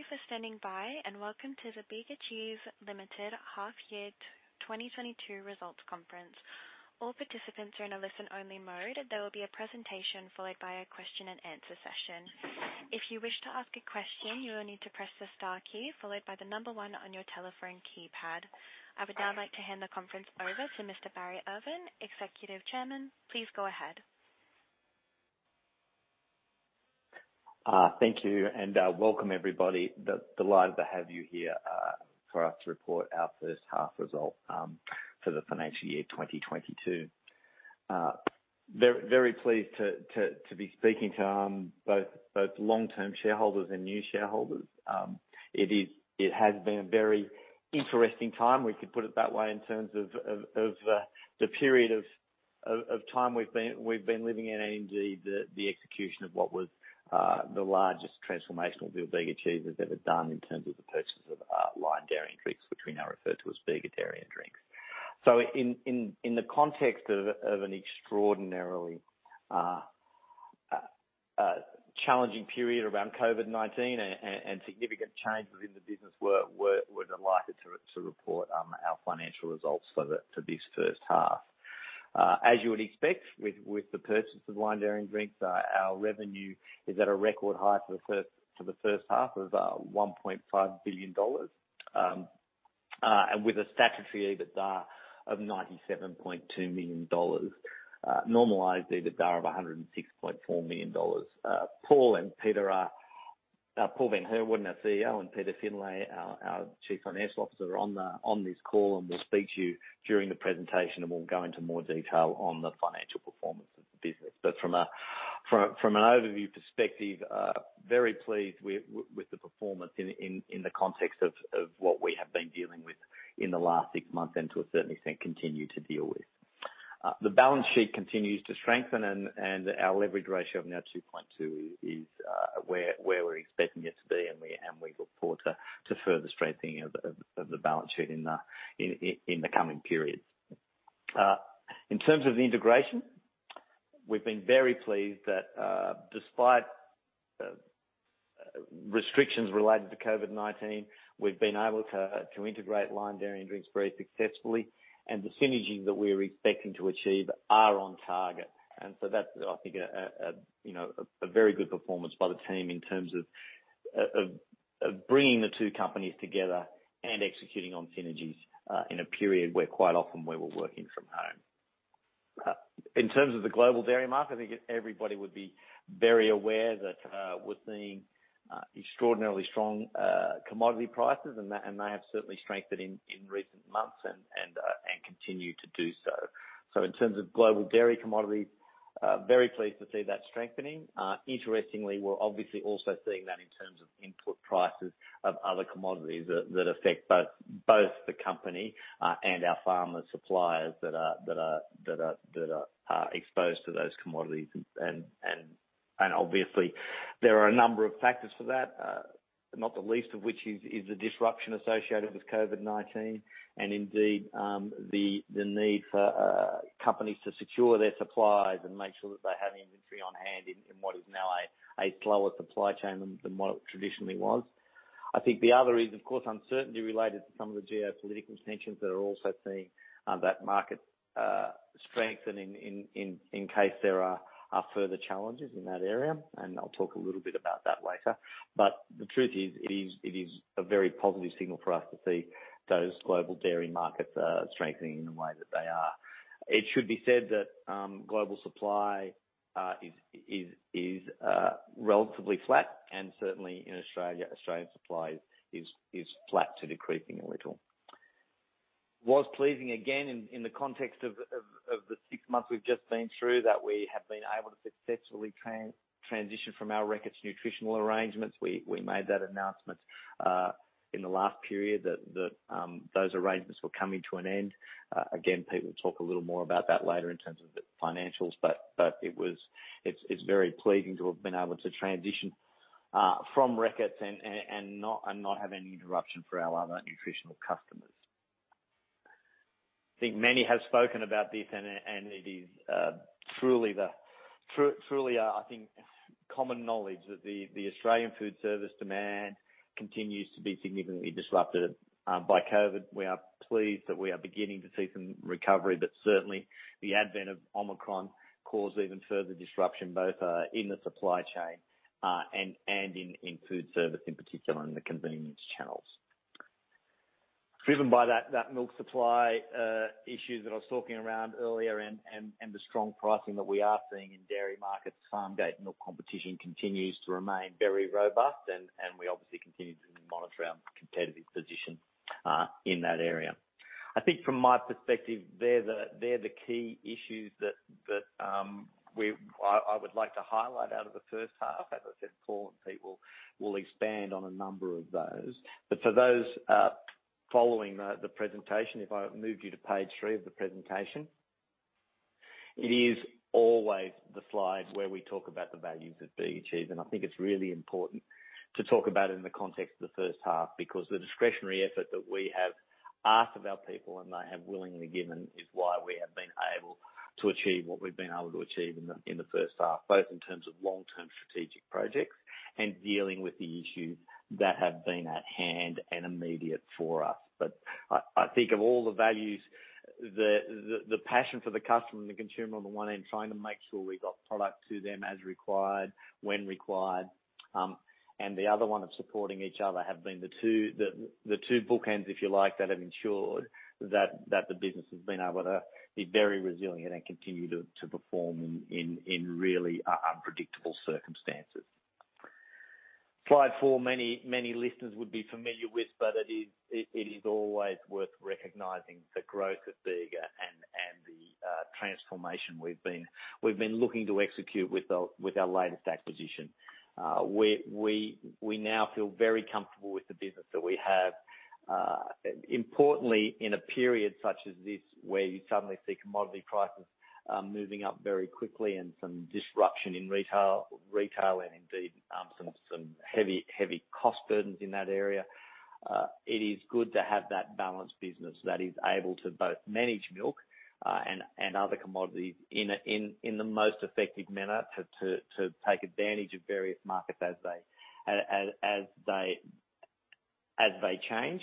Thank you for standing by, and welcome to the Bega Cheese Limited Half Year 2022 Results Conference. All participants are in a listen-only mode. There will be a presentation followed by a question-and-answer session. If you wish to ask a question, you will need to press the star key followed by the number 1 on your telephone keypad. I would now like to hand the conference over to Mr. Barry Irvin, Executive Chairman. Please go ahead. Thank you and welcome everybody. Delighted to have you here for us to report our first half result for the financial year 2022. Very pleased to be speaking to both long-term shareholders and new shareholders. It has been a very interesting time, we could put it that way, in terms of the period of time we've been living in, indeed the execution of what was the largest transformational deal Bega Cheese has ever done in terms of the purchase of Lion Dairy & Drinks, which we now refer to as Bega Dairy & Drinks. In the context of an extraordinarily challenging period around COVID-19 and significant change within the business, we're delighted to report our financial results for this first half. As you would expect with the purchase of Lion Dairy and Drinks, our revenue is at a record high for the first half of 1.5 billion dollars, and with a statutory EBITDA of 97.2 million dollars, normalized EBITDA of 106.4 million dollars. Paul van Heerwaarden, our CEO, and Pete Findlay, our Chief Financial Officer, are on this call and will speak to you during the presentation. We'll go into more detail on the financial performance of the business. From an overview perspective, very pleased with the performance in the context of what we have been dealing with in the last six months, and to a certain extent, continue to deal with. The balance sheet continues to strengthen and our leverage ratio of now 2:2 is where we're expecting it to be. We look forward to further strengthening of the balance sheet in the coming periods. In terms of the integration, we've been very pleased that, despite restrictions related to COVID-19, we've been able to integrate Lion Dairy and Drinks very successfully. The synergies that we're expecting to achieve are on target. That's, I think, you know, a very good performance by the team in terms of bringing the two companies together and executing on synergies in a period where quite often we're working from home. In terms of the global dairy market, I think everybody would be very aware that we're seeing extraordinarily strong commodity prices. They have certainly strengthened in recent months and continue to do so. In terms of global dairy commodities, very pleased to see that strengthening. Interestingly, we're obviously also seeing that in terms of input prices of other commodities that affect both the company and our farmer suppliers that are exposed to those commodities. Obviously there are a number of factors for that, not the least of which is the disruption associated with COVID-19 and indeed, the need for companies to secure their supplies and make sure that they have inventory on hand in what is now a slower supply chain than what it traditionally was. I think the other is, of course, uncertainty related to some of the geopolitical tensions that are also seeing that market strengthening in case there are further challenges in that area. I'll talk a little bit about that later. The truth is, it is a very positive signal for us to see those global dairy markets strengthening in the way that they are. It should be said that global supply is relatively flat. Certainly in Australia, Australian supply is flat to decreasing a little. It was pleasing again in the context of the six months we've just been through, that we have been able to successfully transition from our Reckitt nutritional arrangements. We made that announcement in the last period that those arrangements were coming to an end. Again, Peter will talk a little more about that later in terms of the financials, but it was very pleasing to have been able to transition from Reckitt and not have any interruption for our other nutritional customers. I think many have spoken about this and it is truly, I think common knowledge that the Australian food service demand continues to be significantly disrupted by COVID. We are pleased that we are beginning to see some recovery. Certainly the advent of Omicron caused even further disruption both in the supply chain and in food service in particular in the convenience channels. Driven by that milk supply issue that I was talking around earlier and the strong pricing that we are seeing in dairy markets, farm gate milk competition continues to remain very robust and we obviously continue to monitor our competitive position in that area. I think from my perspective, they're the key issues that I would like to highlight out of the first half. As I said, Paul and Pete will expand on a number of those. For those following the presentation, if I move you to page three of the presentation. It is always the slide where we talk about the values that Bega achieve. I think it's really important to talk about it in the context of the first half, because the discretionary effort that we have asked of our people, and they have willingly given, is why we have been able to achieve what we've been able to achieve in the first half, both in terms of long-term strategic projects and dealing with the issues that have been at hand and immediate for us. I think of all the values, the passion for the customer and the consumer on the one hand, trying to make sure we got product to them as required, when required, and the other one of supporting each other have been the two bookends, if you like, that have ensured that the business has been able to be very resilient and continue to perform in really unpredictable circumstances. Slide four, many listeners would be familiar with, but it is always worth recognizing the growth at Bega and the transformation we've been looking to execute with our latest acquisition. We now feel very comfortable with the business that we have. Importantly, in a period such as this, where you suddenly see commodity prices moving up very quickly and some disruption in retail and indeed some heavy cost burdens in that area, it is good to have that balanced business that is able to both manage milk and other commodities in the most effective manner to take advantage of various markets as they change,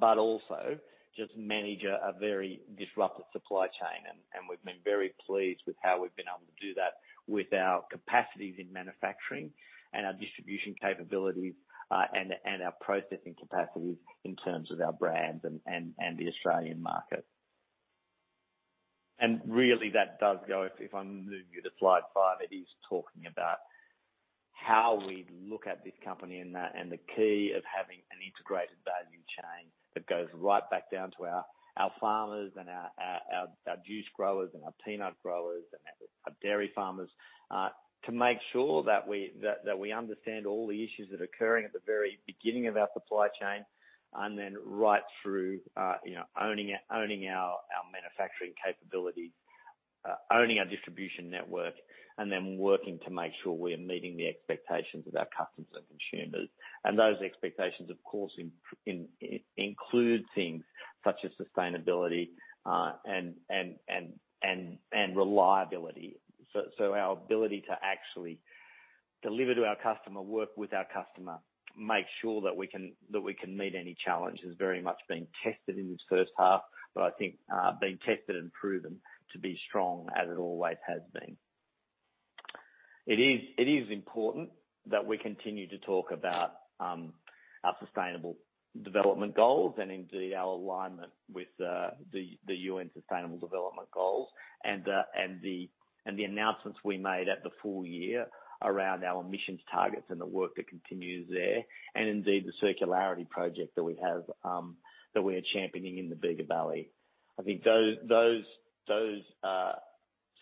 but also just manage a very disrupted supply chain. We've been very pleased with how we've been able to do that with our capacities in manufacturing and our distribution capabilities and our processing capacities in terms of our brands and the Australian market. Really that does go, if I'm moving you to slide five. It is talking about how we look at this company and that, and the key of having an integrated value chain that goes right back down to our farmers and our juice growers and our peanut growers and our dairy farmers, to make sure that we understand all the issues that are occurring at the very beginning of our supply chain, and then right through, you know, owning our manufacturing capabilities, owning our distribution network, and then working to make sure we are meeting the expectations of our customers and consumers. Those expectations, of course, include things such as sustainability and reliability. Our ability to actually deliver to our customer, work with our customer, make sure that we can meet any challenge has very much been tested in this first half, but I think been tested and proven to be strong as it always has been. It is important that we continue to talk about our sustainable development goals and indeed our alignment with the UN Sustainable Development Goals and the announcements we made at the full year around our emissions targets and the work that continues there, and indeed the circularity project that we are championing in the Bega Valley. I think those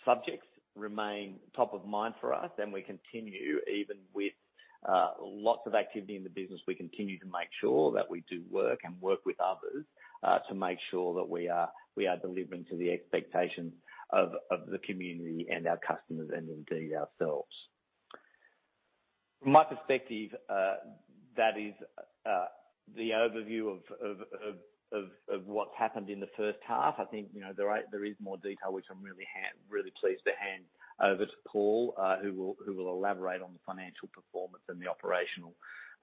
subjects remain top of mind for us, and we continue even with lots of activity in the business, we continue to make sure that we do work and work with others to make sure that we are delivering to the expectations of the community and our customers, and indeed ourselves. From my perspective, that is the overview of what's happened in the first half. I think, you know, there is more detail which I'm really pleased to hand over to Paul, who will elaborate on the financial performance and the operational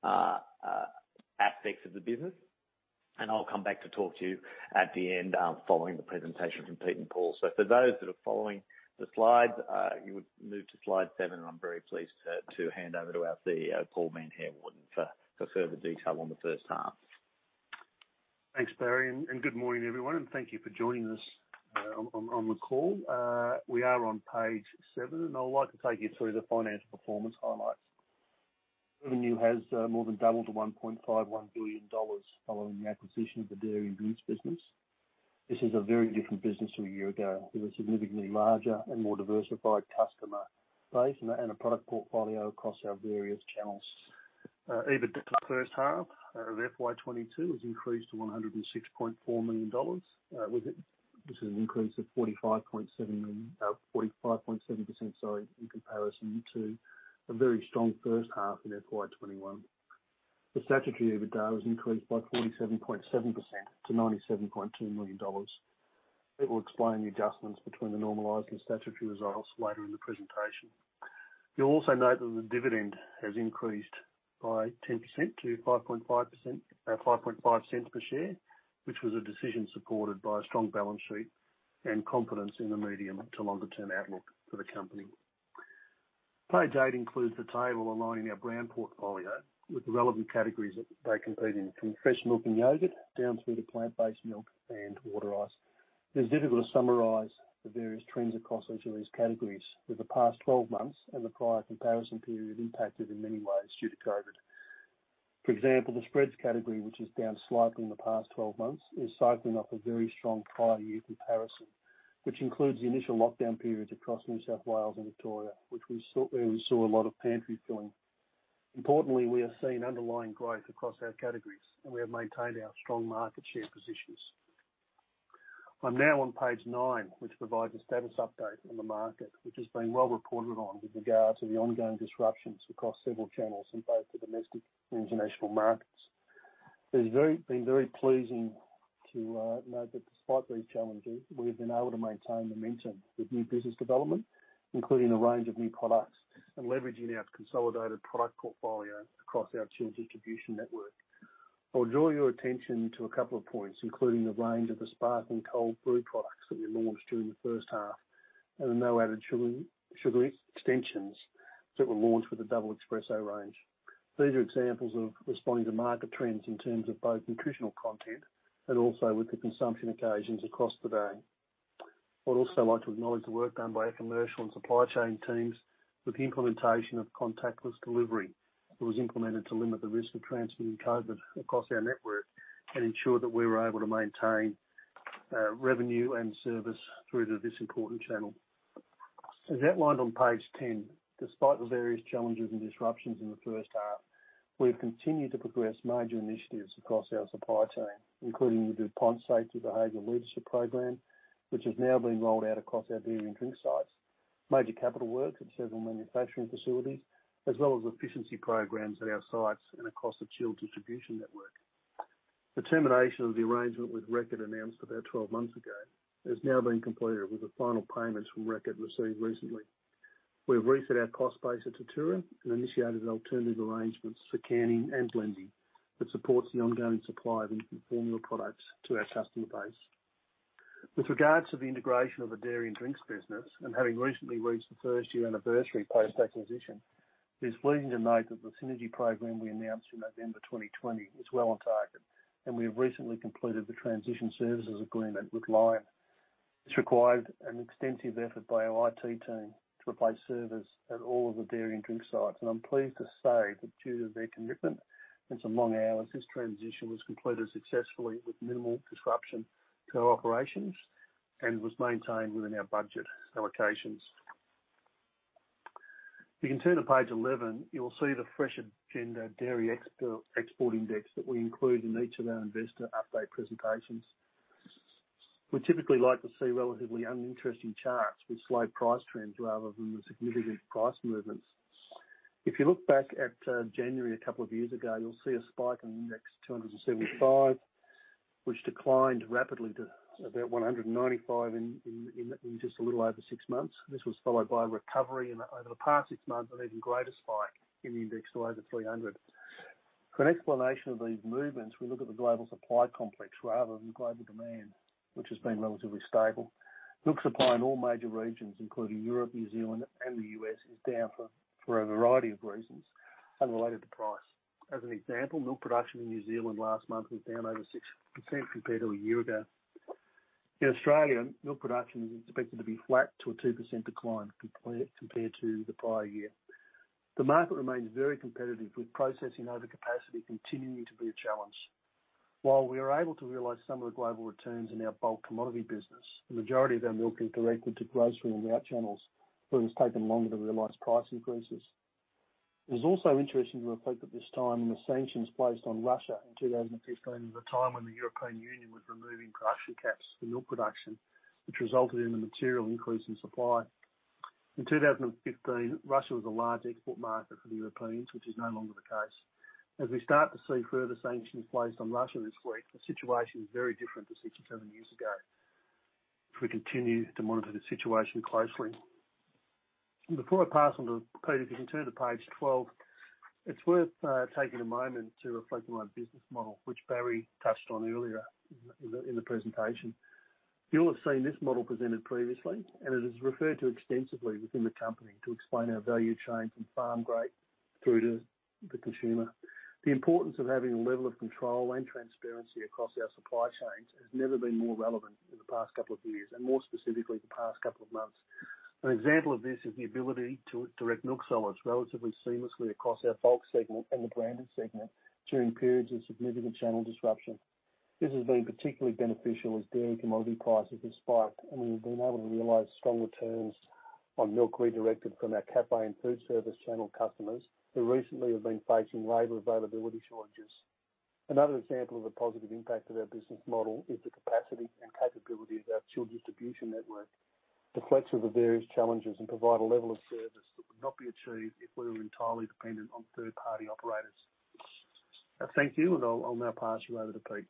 aspects of the business. I'll come back to talk to you at the end, following the presentation from Pete and Paul. For those that are following the slides, you would move to slide seven, and I'm very pleased to hand over to our CEO, Paul van Heerwaarden, for further detail on the first half. Thanks, Barry, and good morning, everyone, and thank you for joining us on the call. We are on page seven, and I would like to take you through the financial performance highlights. Revenue has more than doubled to 1.51 billion dollars following the acquisition of the dairy and drinks business. This is a very different business from a year ago. It was significantly larger and more diversified customer base and a product portfolio across our various channels. EBITDA first half of FY 2022 has increased to 106.4 million dollars. This is an increase of 45.7%, sorry, in comparison to a very strong first half in FY 2021. The statutory EBITDA was increased by 47.7% to 97.2 million dollars. Pete will explain the adjustments between the normalized and statutory results later in the presentation. You'll also note that the dividend has increased by 10% to 5.5%, 5.5 cents per share, which was a decision supported by a strong balance sheet and confidence in the medium to longer term outlook for the company. Page 8 includes the table aligning our brand portfolio with the relevant categories that they compete in, from fresh milk and yogurt down through to plant-based milk and water ice. It's difficult to summarize the various trends across each of these categories for the past 12 months, and the prior comparison period impacted in many ways due to COVID. For example, the spreads category, which is down slightly in the past 12 months, is cycling off a very strong prior year comparison, which includes the initial lockdown periods across New South Wales and Victoria, which we saw, where we saw a lot of pantry filling. Importantly, we have seen underlying growth across our categories, and we have maintained our strong market share position. I'm now on page 9, which provides a status update on the market, which has been well reported on with regard to the ongoing disruptions across several channels in both the domestic and international markets. It's been very pleasing to note that despite these challenges, we've been able to maintain momentum with new business development, including a range of new products and leveraging our consolidated product portfolio across our chilled distribution network. I'll draw your attention to a couple of points, including the range of the Sparkling Cold Brew products that we launched during the first half, and the no-added sugar extensions that were launched with the Double Espresso range. These are examples of responding to market trends in terms of both nutritional content and also with the consumption occasions across the day. I'd also like to acknowledge the work done by our commercial and supply chain teams with the implementation of contactless delivery. It was implemented to limit the risk of transmitting COVID across our network and ensure that we were able to maintain revenue and service through to this important channel. As outlined on page 10, despite the various challenges and disruptions in the first half, we've continued to progress major initiatives across our supply chain, including the DuPont Safety Behavioral Leadership program, which has now been rolled out across our dairy and drinks sites, major capital work at several manufacturing facilities, as well as efficiency programs at our sites and across the chilled distribution network. The termination of the arrangement with Reckitt, announced about 12 months ago, has now been completed, with the final payments from Reckitt received recently. We've reset our cost base at Tatura and initiated alternative arrangements for canning and blending that supports the ongoing supply of infant formula products to our customer base. With regards to the integration of the dairy and drinks business, and having recently reached the first year anniversary post-acquisition, it is pleasing to note that the synergy program we announced in November 2020 is well on target, and we have recently completed the transition services agreement with Lion. This required an extensive effort by our IT team to replace servers at all of the dairy and drinks sites, and I'm pleased to say that due to their commitment and some long hours, this transition was completed successfully with minimal disruption to our operations and was maintained within our budget allocations. If you can turn to page 11, you will see the Fresh Agenda Dairy Export Index that we include in each of our investor update presentations. We typically like to see relatively uninteresting charts with slow price trends rather than the significant price movements. If you look back at January a couple of years ago, you'll see a spike in the index to 275, which declined rapidly to about 195 in just a little over six months. This was followed by a recovery and over the past six months, an even greater spike in the index to over 300. For an explanation of these movements, we look at the global supply complex rather than global demand, which has been relatively stable. Milk supply in all major regions, including Europe, New Zealand and the U.S., is down for a variety of reasons unrelated to price. As an example, milk production in New Zealand last month was down over 6% compared to a year ago. In Australia, milk production is expected to be flat to a 2% decline compared to the prior year. The market remains very competitive, with processing overcapacity continuing to be a challenge. While we are able to realize some of the global returns in our bulk commodity business, the majority of our milk is directed to grocery and route channels, where it has taken longer to realize price increases. It is also interesting to reflect at this time on the sanctions placed on Russia in 2015 at the time when the European Union was removing production caps for milk production, which resulted in a material increase in supply. In 2015, Russia was a large export market for the Europeans, which is no longer the case. As we start to see further sanctions placed on Russia this week, the situation is very different to six or seven years ago. We continue to monitor the situation closely. Before I pass on to Pete, if you can turn to page 12, it's worth taking a moment to reflect on our business model, which Barry touched on earlier in the presentation. You'll have seen this model presented previously, and it is referred to extensively within the company to explain our value chain from farm gate through to the consumer. The importance of having a level of control and transparency across our supply chains has never been more relevant in the past couple of years, and more specifically, the past couple of months. An example of this is the ability to direct milk solids relatively seamlessly across our bulk segment and the branded segment during periods of significant channel disruption. This has been particularly beneficial as dairy commodity prices have spiked, and we've been able to realize strong returns on milk redirected from our cafe and foodservice channel customers who recently have been facing labor availability shortages. Another example of the positive impact of our business model is the capacity and capability of our chilled distribution network to flex with the various challenges and provide a level of service that would not be achieved if we were entirely dependent on third-party operators. Thank you, and I'll now pass you over to Pete.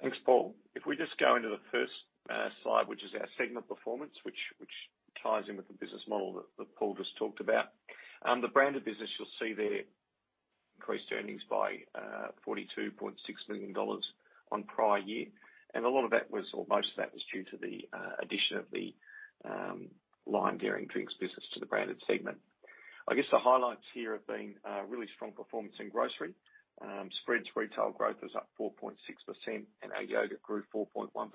Thanks, Paul. If we just go into the first slide, which is our segment performance, which ties in with the business model that Paul just talked about. The branded business you'll see there increased earnings by 42.6 million dollars on prior year. A lot of that was, or most of that was due to the addition of the Lion Dairy and Drinks business to the branded segment. I guess the highlights here have been really strong performance in grocery. Spreads retail growth was up 4.6%, and our yogurt grew 4.1%.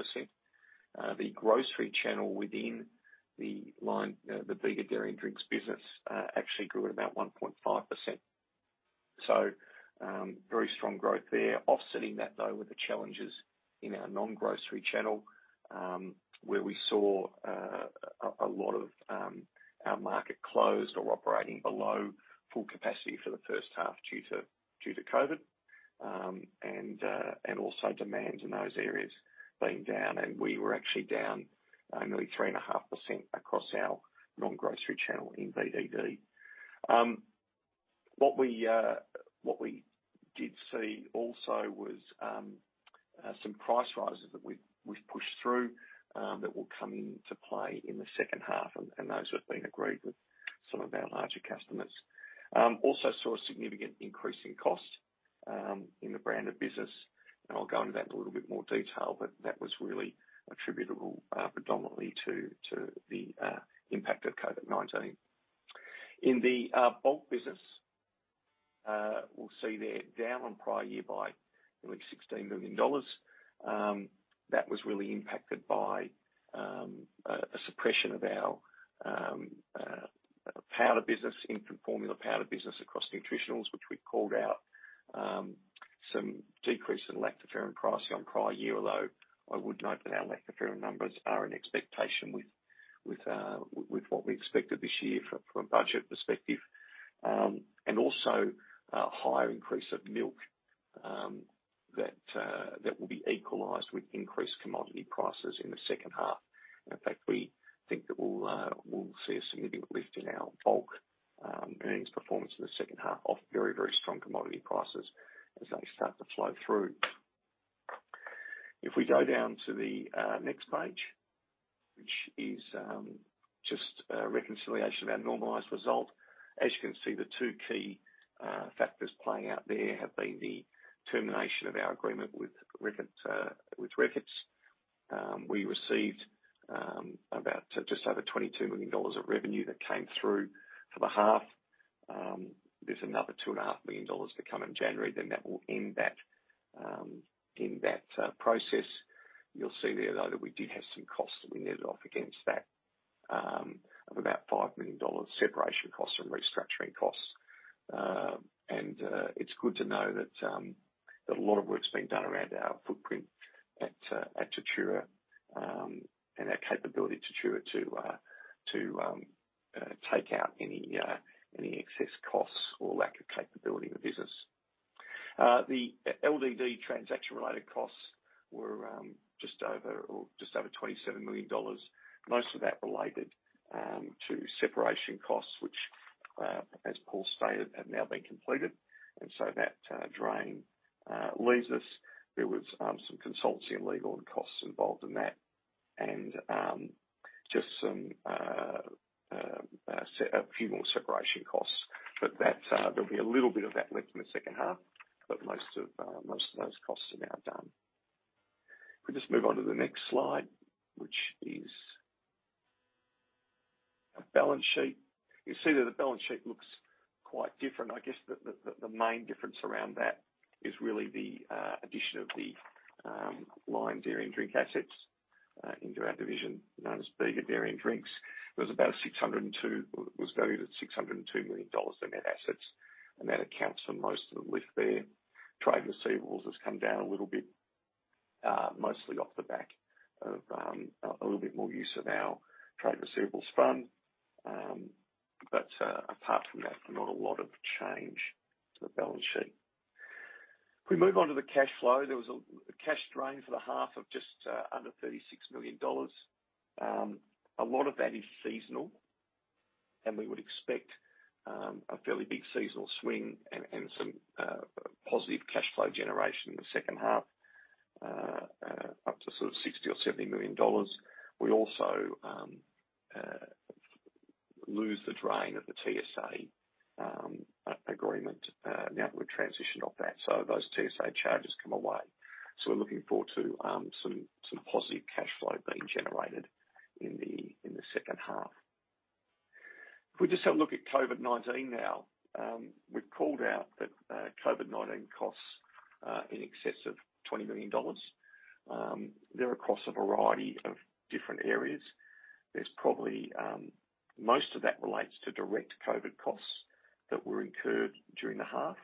The grocery channel within the Lion, the Bega Dairy and Drinks business actually grew at about 1.5%. Very strong growth there. Offsetting that, though, were the challenges in our non-grocery channel, where we saw a lot of our market closed or operating below full capacity for the first half due to COVID. Also demand in those areas being down, and we were actually down nearly 3.5% across our non-grocery channel in BDD. What we did see also was some price rises that we've pushed through that will come into play in the second half, and those have been agreed with some of our larger customers. Also saw a significant increase in cost in the branded business, and I'll go into that in a little bit more detail, but that was really attributable predominantly to the impact of COVID-19. In the bulk business, we'll see they're down on prior year by nearly 16 million dollars. That was really impacted by a suppression of our powder business, infant formula powder business across Nutritionals, which we called out. Some decrease in lactoferrin pricing on prior year, although I would note that our lactoferrin numbers are in expectation with what we expected this year from a budget perspective. Also a higher increase of milk that will be equalized with increased commodity prices in the second half. In fact, we think that we'll see a significant lift in our bulk earnings performance in the second half of very, very strong commodity prices as they start to flow through. If we go down to the next page, which is just a reconciliation of our normalized result. As you can see, the two key factors playing out there have been the termination of our agreement with Reckitt. We received about just over 22 million dollars of revenue that came through for the half. There's another 2.5 million dollars to come in January, then that will end that process. You'll see there, though, that we did have some costs that we netted off against that of about 5 million dollars, separation costs and restructuring costs. It's good to know that a lot of work's been done around our footprint at Tatura and our capability at Tatura to take out any excess costs or lack of capability in the business. The LD&D transaction-related costs were just over 27 million dollars. Most of that related to separation costs, which, as Paul stated, have now been completed. That drain leaves us. There was some consultancy and legal costs involved in that. Just a few more separation costs, but there'll be a little bit of that left in the second half, but most of those costs are now done. If we just move on to the next slide, which is a balance sheet. You see that the balance sheet looks quite different. I guess the main difference around that is really the addition of the Lion Dairy & Drinks assets into our division, known as Bega Dairy & Drinks. It was valued at about 602 million dollars in net assets, and that accounts for most of the lift there. Trade receivables has come down a little bit, mostly off the back of a little bit more use of our trade receivables fund. But apart from that, not a lot of change to the balance sheet. If we move on to the cash flow, there was a cash drain for the half of just under 36 million dollars. A lot of that is seasonal, and we would expect a fairly big seasonal swing and some positive cash flow generation in the second half up to sort of 60 million or 70 million dollars. We also lose the drain of the TSA agreement now that we've transitioned off that. Those TSA charges come away. We're looking forward to some positive cash flow being generated in the second half. If we just have a look at COVID-19 now, we've called out that COVID-19 costs in excess of 20 million dollars. They're across a variety of different areas. There's probably most of that relates to direct COVID-19 costs that were incurred during the half,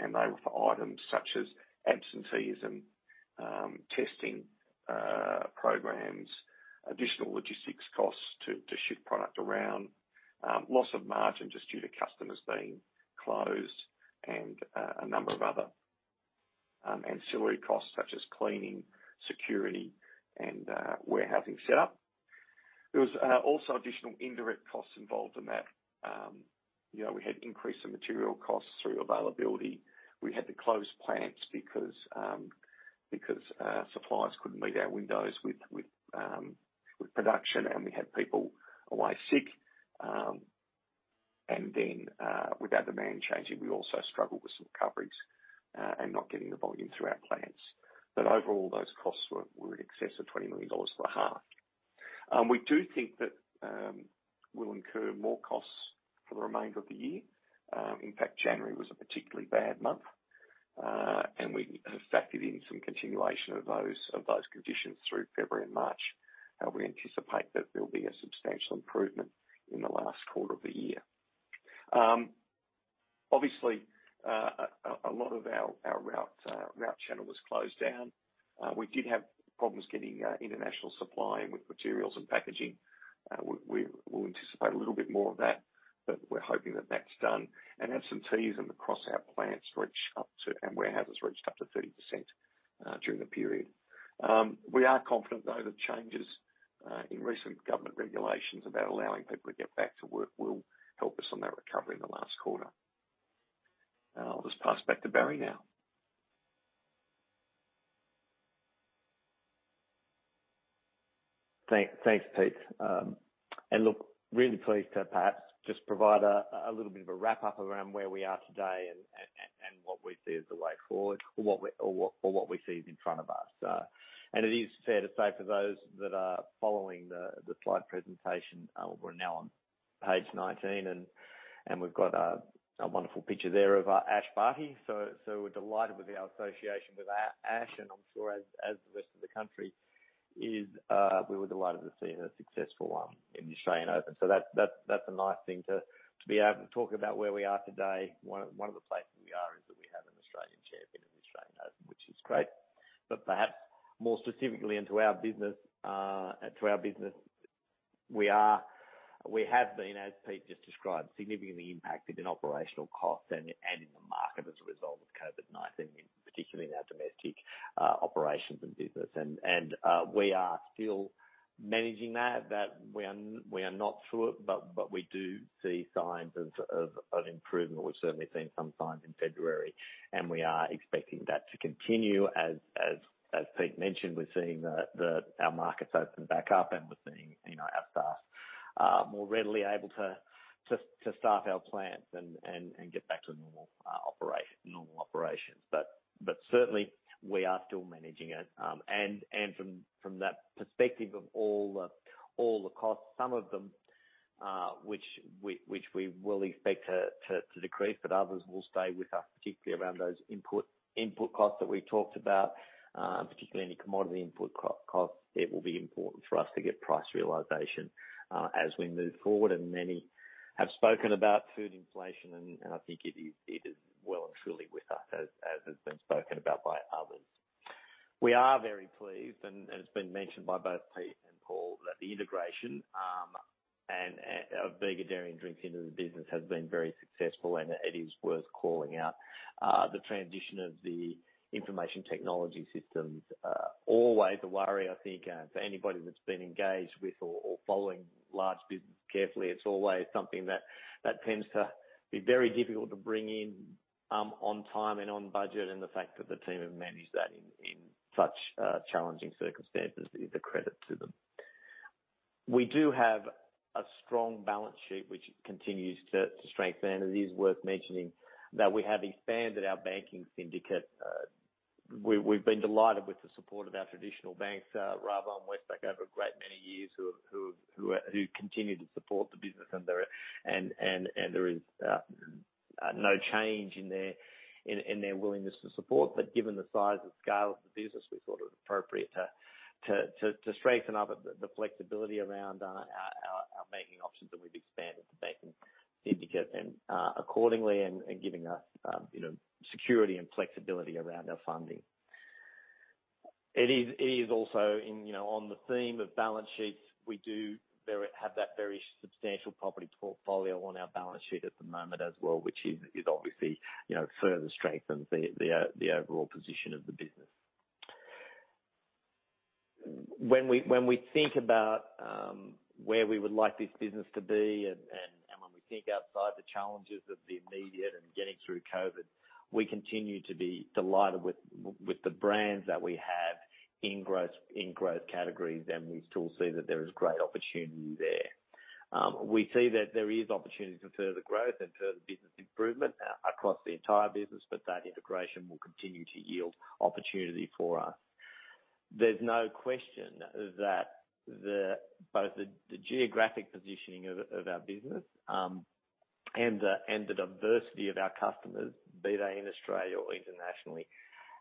and they were for items such as absentees and testing programs, additional logistics costs to ship product around, loss of margin just due to customers being closed and a number of other ancillary costs, such as cleaning, security and warehousing set up. There was also additional indirect costs involved in that. You know, we had an increase in material costs through availability. We had to close plants because suppliers couldn't meet our windows with production, and we had people away sick. With our demand changing, we also struggled with some coverage and not getting the volume through our plants. Overall, those costs were in excess of 20 million dollars for the half. We think that we'll incur more costs for the remainder of the year. In fact, January was a particularly bad month, and we have factored in some continuation of those conditions through February and March. We anticipate that there'll be a substantial improvement in the last quarter of the year. Obviously, a lot of our route channel was closed down. We did have problems getting international supply and with materials and packaging. We'll anticipate a little bit more of that, but we're hoping that that's done. Absences across our plants and warehouses reached up to 30% during the period. We are confident, though, that changes in recent government regulations about allowing people to get back to work will help us on that recovery in the last quarter. I'll just pass back to Barry now. Thanks, Pete. I'm really pleased to perhaps just provide a little bit of a wrap-up around where we are today and what we see as the way forward or what we see is in front of us. It is fair to say for those that are following the slide presentation, we're now on page 19 and we've got a wonderful picture there of Ash Barty. So we're delighted with our association with Ash, and I'm sure as the rest of the country is, we were delighted to see her successful in the Australian Open. So that's a nice thing to be able to talk about where we are today. One of the places we are is that we have an Australian champion in the Australian Open, which is great. But perhaps more specifically into our business, to our business, we have been, as Pete just described, significantly impacted in operational costs and in the market as a result of COVID-19, particularly in our domestic operations and business. We are still managing that. We are not through it, but we do see signs of improvement. We've certainly seen some signs in February, and we are expecting that to continue. As Pete mentioned, we're seeing our markets open back up, and we're seeing, you know, our staff are more readily able to staff our plants and get back to normal operations. Certainly we are still managing it. From that perspective of all the costs, some of them, which we will expect to decrease, but others will stay with us, particularly around those input costs that we talked about, particularly any commodity input costs. It will be important for us to get price realization as we move forward. Many have spoken about food inflation and I think it is well and truly with us as has been spoken about by others. We are very pleased, and it's been mentioned by both Pete and Paul, that the integration of Dairy and Drinks into the business has been very successful and it is worth calling out. The transition of the information technology systems always a worry, I think, for anybody that's been engaged with or following large business carefully. It's always something that tends to be very difficult to bring in on time and on budget, and the fact that the team have managed that in such challenging circumstances is a credit to them. We do have a strong balance sheet which continues to strengthen, and it is worth mentioning that we have expanded our banking syndicate. We have been delighted with the support of our traditional banks, Rabobank and Westpac, over a great many years who have continued to support the business and there is no change in their willingness to support. Given the size and scale of the business, we thought it appropriate to strengthen up the flexibility around our banking options, and we've expanded the banking syndicate and accordingly, giving us, you know, security and flexibility around our funding. It is also, you know, on the theme of balance sheets, we do have that very substantial property portfolio on our balance sheet at the moment as well, which is obviously, you know, further strengthens the overall position of the business. When we think about where we would like this business to be and when we think outside the challenges of the immediate and getting through COVID, we continue to be delighted with the brands that we have in growth categories, and we still see that there is great opportunity there. We see that there is opportunity for further growth and further business improvement across the entire business, but that integration will continue to yield opportunity for us. There's no question that both the geographic positioning of our business and the diversity of our customers, be they in Australia or internationally,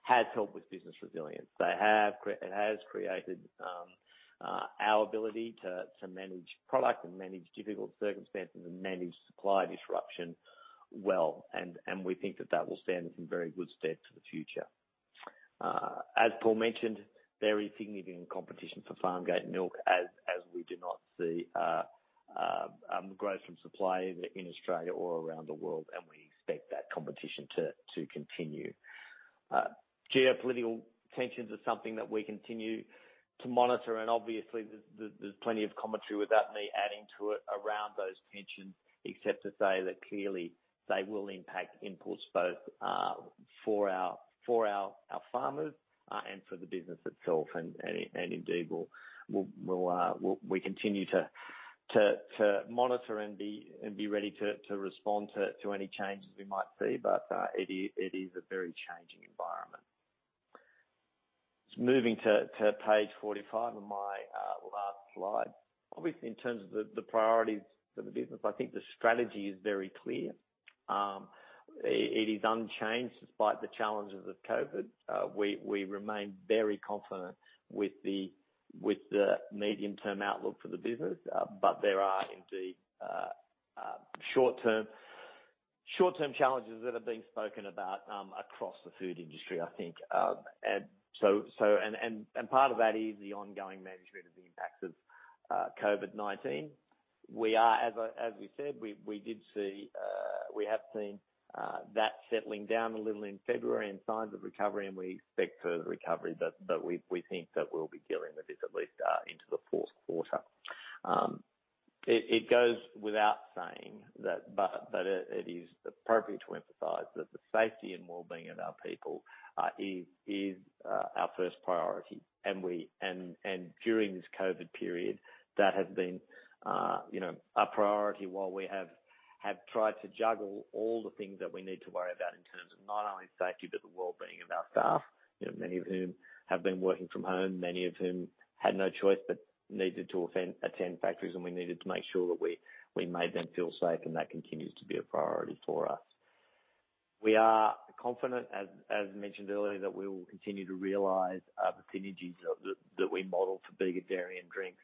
has helped with business resilience. It has created our ability to manage product and manage difficult circumstances and manage supply disruption well, and we think that will stand us in very good stead for the future. As Paul mentioned, very significant competition for farm gate milk as we do not see growth from suppliers in Australia or around the world, and we expect that competition to continue. Geopolitical tensions are something that we continue to monitor and obviously there's plenty of commentary without me adding to it around those tensions, except to say that clearly they will impact imports both for our farmers and for the business itself. Indeed, we continue to monitor and be ready to respond to any changes we might see. It is a very changing environment. Moving to page 45 and my last slide. Obviously, in terms of the priorities for the business, I think the strategy is very clear. It is unchanged despite the challenges of COVID. We remain very confident with the medium-term outlook for the business, but there are indeed short-term challenges that are being spoken about across the food industry, I think. Part of that is the ongoing management of the impacts of COVID-19. As we said, we have seen that settling down a little in February and signs of recovery, and we expect further recovery, but we think that we'll be dealing with this at least into the fourth quarter. It goes without saying that but it is appropriate to emphasize that the safety and well-being of our people is our first priority. During this COVID period, that has been, you know, a priority while we have tried to juggle all the things that we need to worry about in terms of not only safety but the well-being of our staff. You know, many of whom have been working from home, many of whom had no choice but needed to often attend factories, and we needed to make sure that we made them feel safe, and that continues to be a priority for us. We are confident, as mentioned earlier, that we will continue to realize the synergies that we modeled for Bega Dairy and Drinks.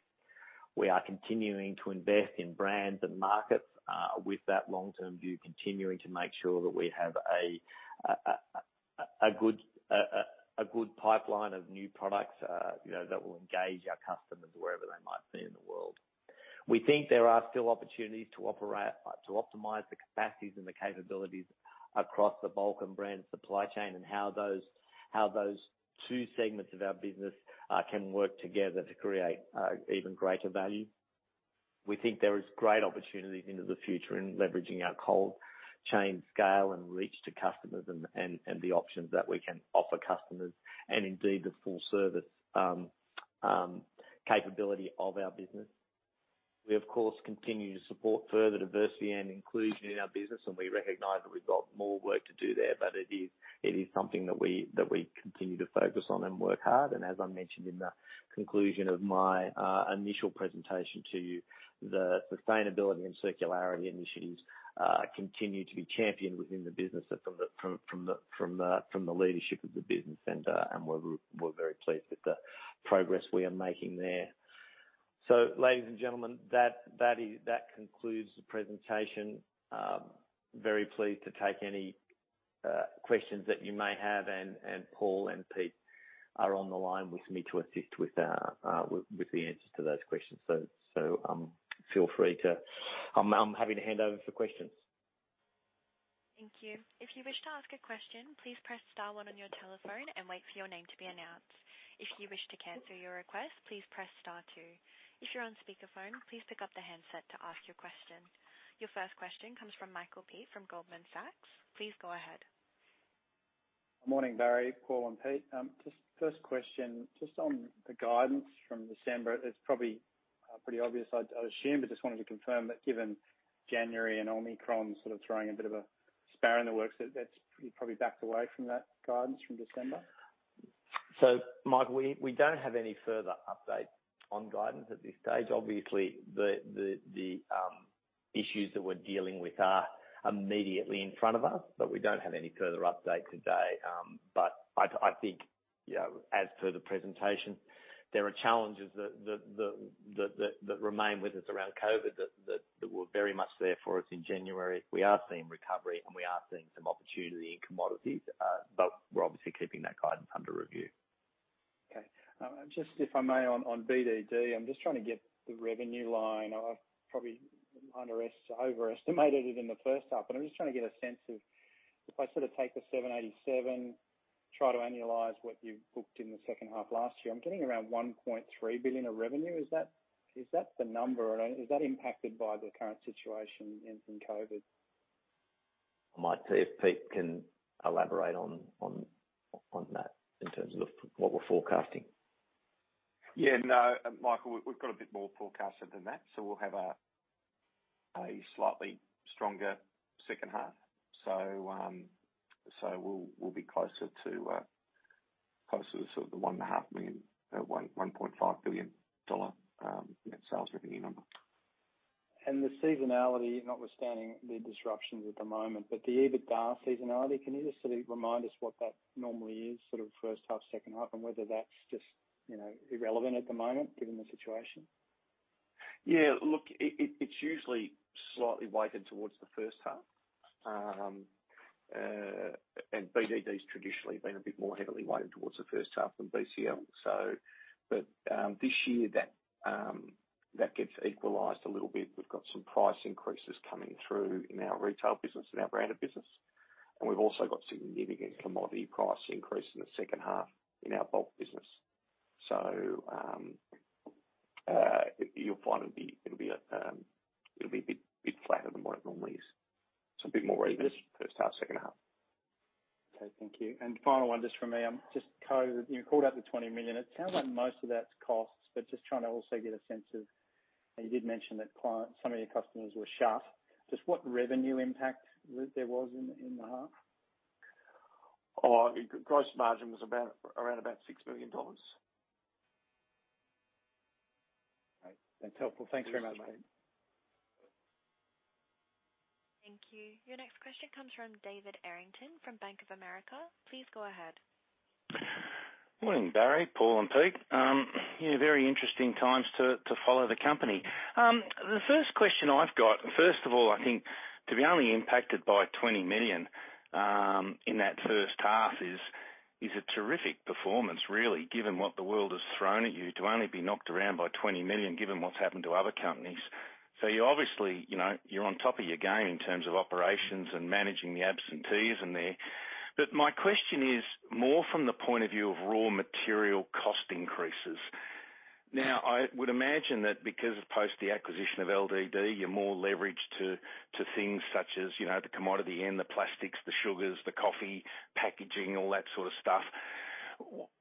We are continuing to invest in brands and markets with that long-term view, continuing to make sure that we have a good pipeline of new products, you know, that will engage our customers wherever they might be in the world. We think there are still opportunities to optimize the capacities and the capabilities across the bulk and brand supply chain and how those two segments of our business can work together to create even greater value. We think there is great opportunities into the future in leveraging our cold chain scale and reach to customers and the options that we can offer customers and indeed the full service capability of our business. We of course continue to support further diversity and inclusion in our business, and we recognize that we've got more work to do there, but it is something that we continue to focus on and work hard. As I mentioned in the conclusion of my initial presentation to you, the sustainability and circularity initiatives continue to be championed within the business and from the leadership of the business. We're very pleased with the progress we are making there. Ladies and gentlemen, that concludes the presentation. Very pleased to take any questions that you may have and Paul and Peter are on the line with me to assist with the answers to those questions. Feel free to. I'm happy to hand over for questions. Thank you. If you wish to ask a question, please press star 2 on your telephone and wait for your name to be announced. If you wish to cancel your request, please press star one. If you're on speakerphone, please pick up the handset to ask your question. Your first question comes from Michael Peet from Goldman Sachs. Please go ahead. Morning, Barry, Paul, and Pete. Just first question, just on the guidance from December. It's probably pretty obvious, I'd assume, but just wanted to confirm that given January and Omicron sort of throwing a bit of a spanner in the works, that that's you probably backed away from that guidance from December. Michael, we don't have any further update on guidance at this stage. Obviously, the issues that we're dealing with are immediately in front of us, but we don't have any further update today. I think, you know, as per the presentation, there are challenges that remain with us around COVID that were very much there for us in January. We are seeing recovery, and we are seeing some opportunity in commodities, but we're obviously keeping that guidance under review. Okay. Just if I may, on BDD, I'm just trying to get the revenue line. I've probably underestimated, overestimated it in the first half, and I'm just trying to get a sense of if I sort of take the 787, try to annualize what you've booked in the second half last year, I'm getting around 1.3 billion of revenue. Is that the number? And is that impacted by the current situation from COVID? I might see if Pete can elaborate on that in terms of what we're forecasting. Yeah, no, Michael, we've got a bit more forecasted than that. We'll have a slightly stronger second half. We'll be closer to sort of the 1.5 billion, one point five billion dollar net sales revenue number. The seasonality, notwithstanding the disruptions at the moment, but the EBITDA seasonality, can you just sort of remind us what that normally is, sort of first half, second half, and whether that's just, you know, irrelevant at the moment given the situation? Look, it's usually slightly weighted towards the first half. BDD's traditionally been a bit more heavily weighted towards the first half than BCL. This year that gets equalized a little bit. We've got some price increases coming through in our retail business and our branded business, and we've also got significant commodity price increase in the second half in our bulk business. You'll find it'll be a bit flatter than what it normally is. A bit more even first half, second half. Okay, thank you. Final one just from me. Just COVID, you called out the 20 million. It sounds like most of that's costs, but just trying to also get a sense of, you did mention that some of your customers were shut, just what revenue impact there was in the half? Oh, gross margin was about, around about 6 million dollars. Great. That's helpful. Thanks very much, Pete. Thank you. Your next question comes from David Errington from Bank of America. Please go ahead. Morning, Barry, Paul, and Pete. Yeah, very interesting times to follow the company. The first question I've got, first of all, I think to be only impacted by 20 million in that first half is a terrific performance really, given what the world has thrown at you, to only be knocked around by 20 million, given what's happened to other companies. You obviously, you know, you're on top of your game in terms of operations and managing the absentees and there. My question is more from the point of view of raw material cost increases. I would imagine that because of post the acquisition of LD&D, you're more leveraged to things such as, you know, the commodity and the plastics, the sugars, the coffee, packaging, all that sort of stuff.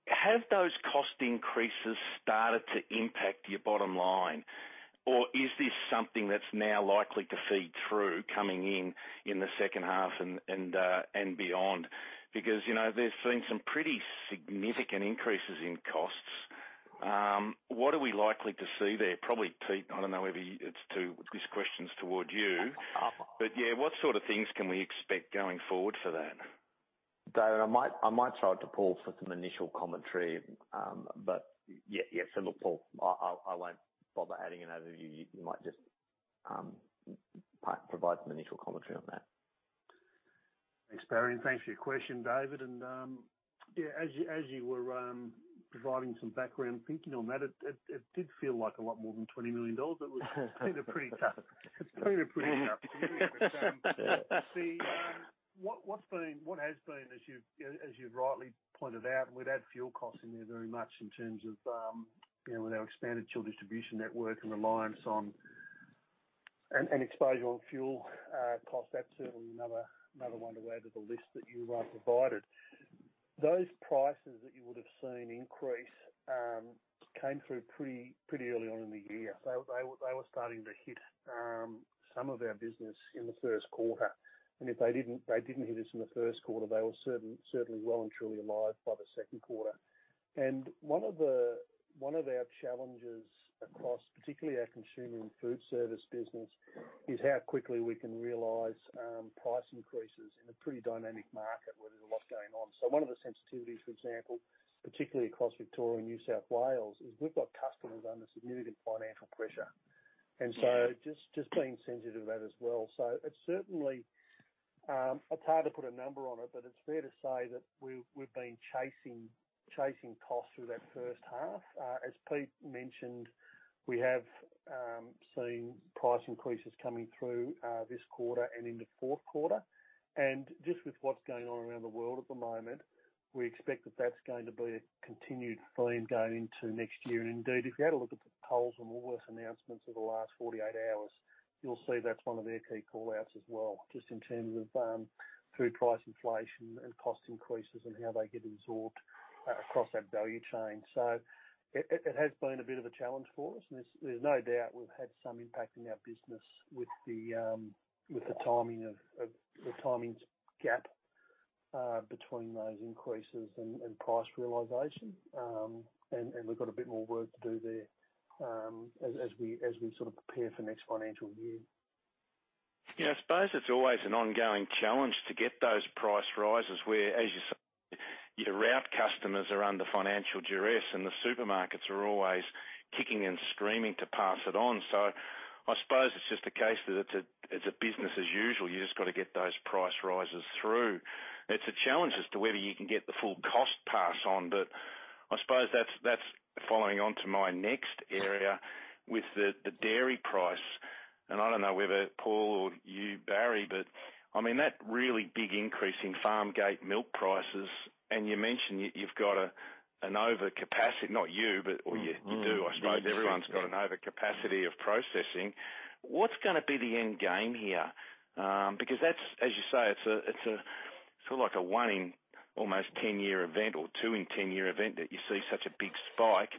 Have those cost increases started to impact your bottom line? Is this something that's now likely to feed through coming in the second half and beyond? Because, you know, there's been some pretty significant increases in costs. What are we likely to see there? Probably, Pete, I don't know whether it's. This question's toward you. Um- Yeah, what sort of things can we expect going forward for that? David, I might throw it to Paul for some initial commentary, but yeah. Yeah, so look, Paul, I won't bother adding an overview. You might just provide some initial commentary on that. Thanks, Barry, and thanks for your question, David. Yeah, as you were providing some background thinking on that, it did feel like a lot more than 20 million dollars. It's been a pretty tough few years. See, what has been, as you've rightly pointed out, and we'd add fuel costs in there very much in terms of you know, with our expanded chill distribution network and reliance on and exposure on fuel cost, that's certainly another one to add to the list that you provided. Those prices that you would've seen increase came through pretty early on in the year. They were starting to hit some of our business in the first quarter, and if they didn't hit us in the first quarter, they were certainly well and truly alive by the second quarter. One of our challenges across particularly our consumer and food service business is how quickly we can realize price increases in a pretty dynamic market where there's a lot going on. One of the sensitivities, for example, particularly across Victoria and New South Wales, is we've got customers under significant financial pressure. Yeah. Just being sensitive to that as well. It's certainly hard to put a number on it, but it's fair to say that we've been chasing costs through that first half. As Pete mentioned, we have seen price increases coming through this quarter and into fourth quarter. Just with what's going on around the world at the moment, we expect that that's going to be a continued theme going into next year. Indeed, if you had a look at the Coles and Woolworths announcements over the last 48 hours, you'll see that's one of their key call-outs as well, just in terms of food price inflation and cost increases and how they get absorbed across our value chain. It has been a bit of a challenge for us, and there's no doubt we've had some impact in our business with the timing gap between those increases and price realization. We've got a bit more work to do there, as we sort of prepare for next financial year. Yeah, I suppose it's always an ongoing challenge to get those price rises where, as you say, your route customers are under financial duress and the supermarkets are always kicking and screaming to pass it on. I suppose it's just a case that it's a business as usual. You just gotta get those price rises through. It's a challenge as to whether you can get the full cost pass on. I suppose that's following on to my next area with the dairy price. I don't know whether Paul or you, Barry, but I mean that really big increase in farm gate milk prices, and you mention you've got an overcapacity, not you, but or you- Mm. you do, I suppose everyone's got an overcapacity of processing. What's gonna be the end game here? Because that's, as you say, it's a sort of like a one in almost 10-year event or two in 10-year event that you see such a big spike.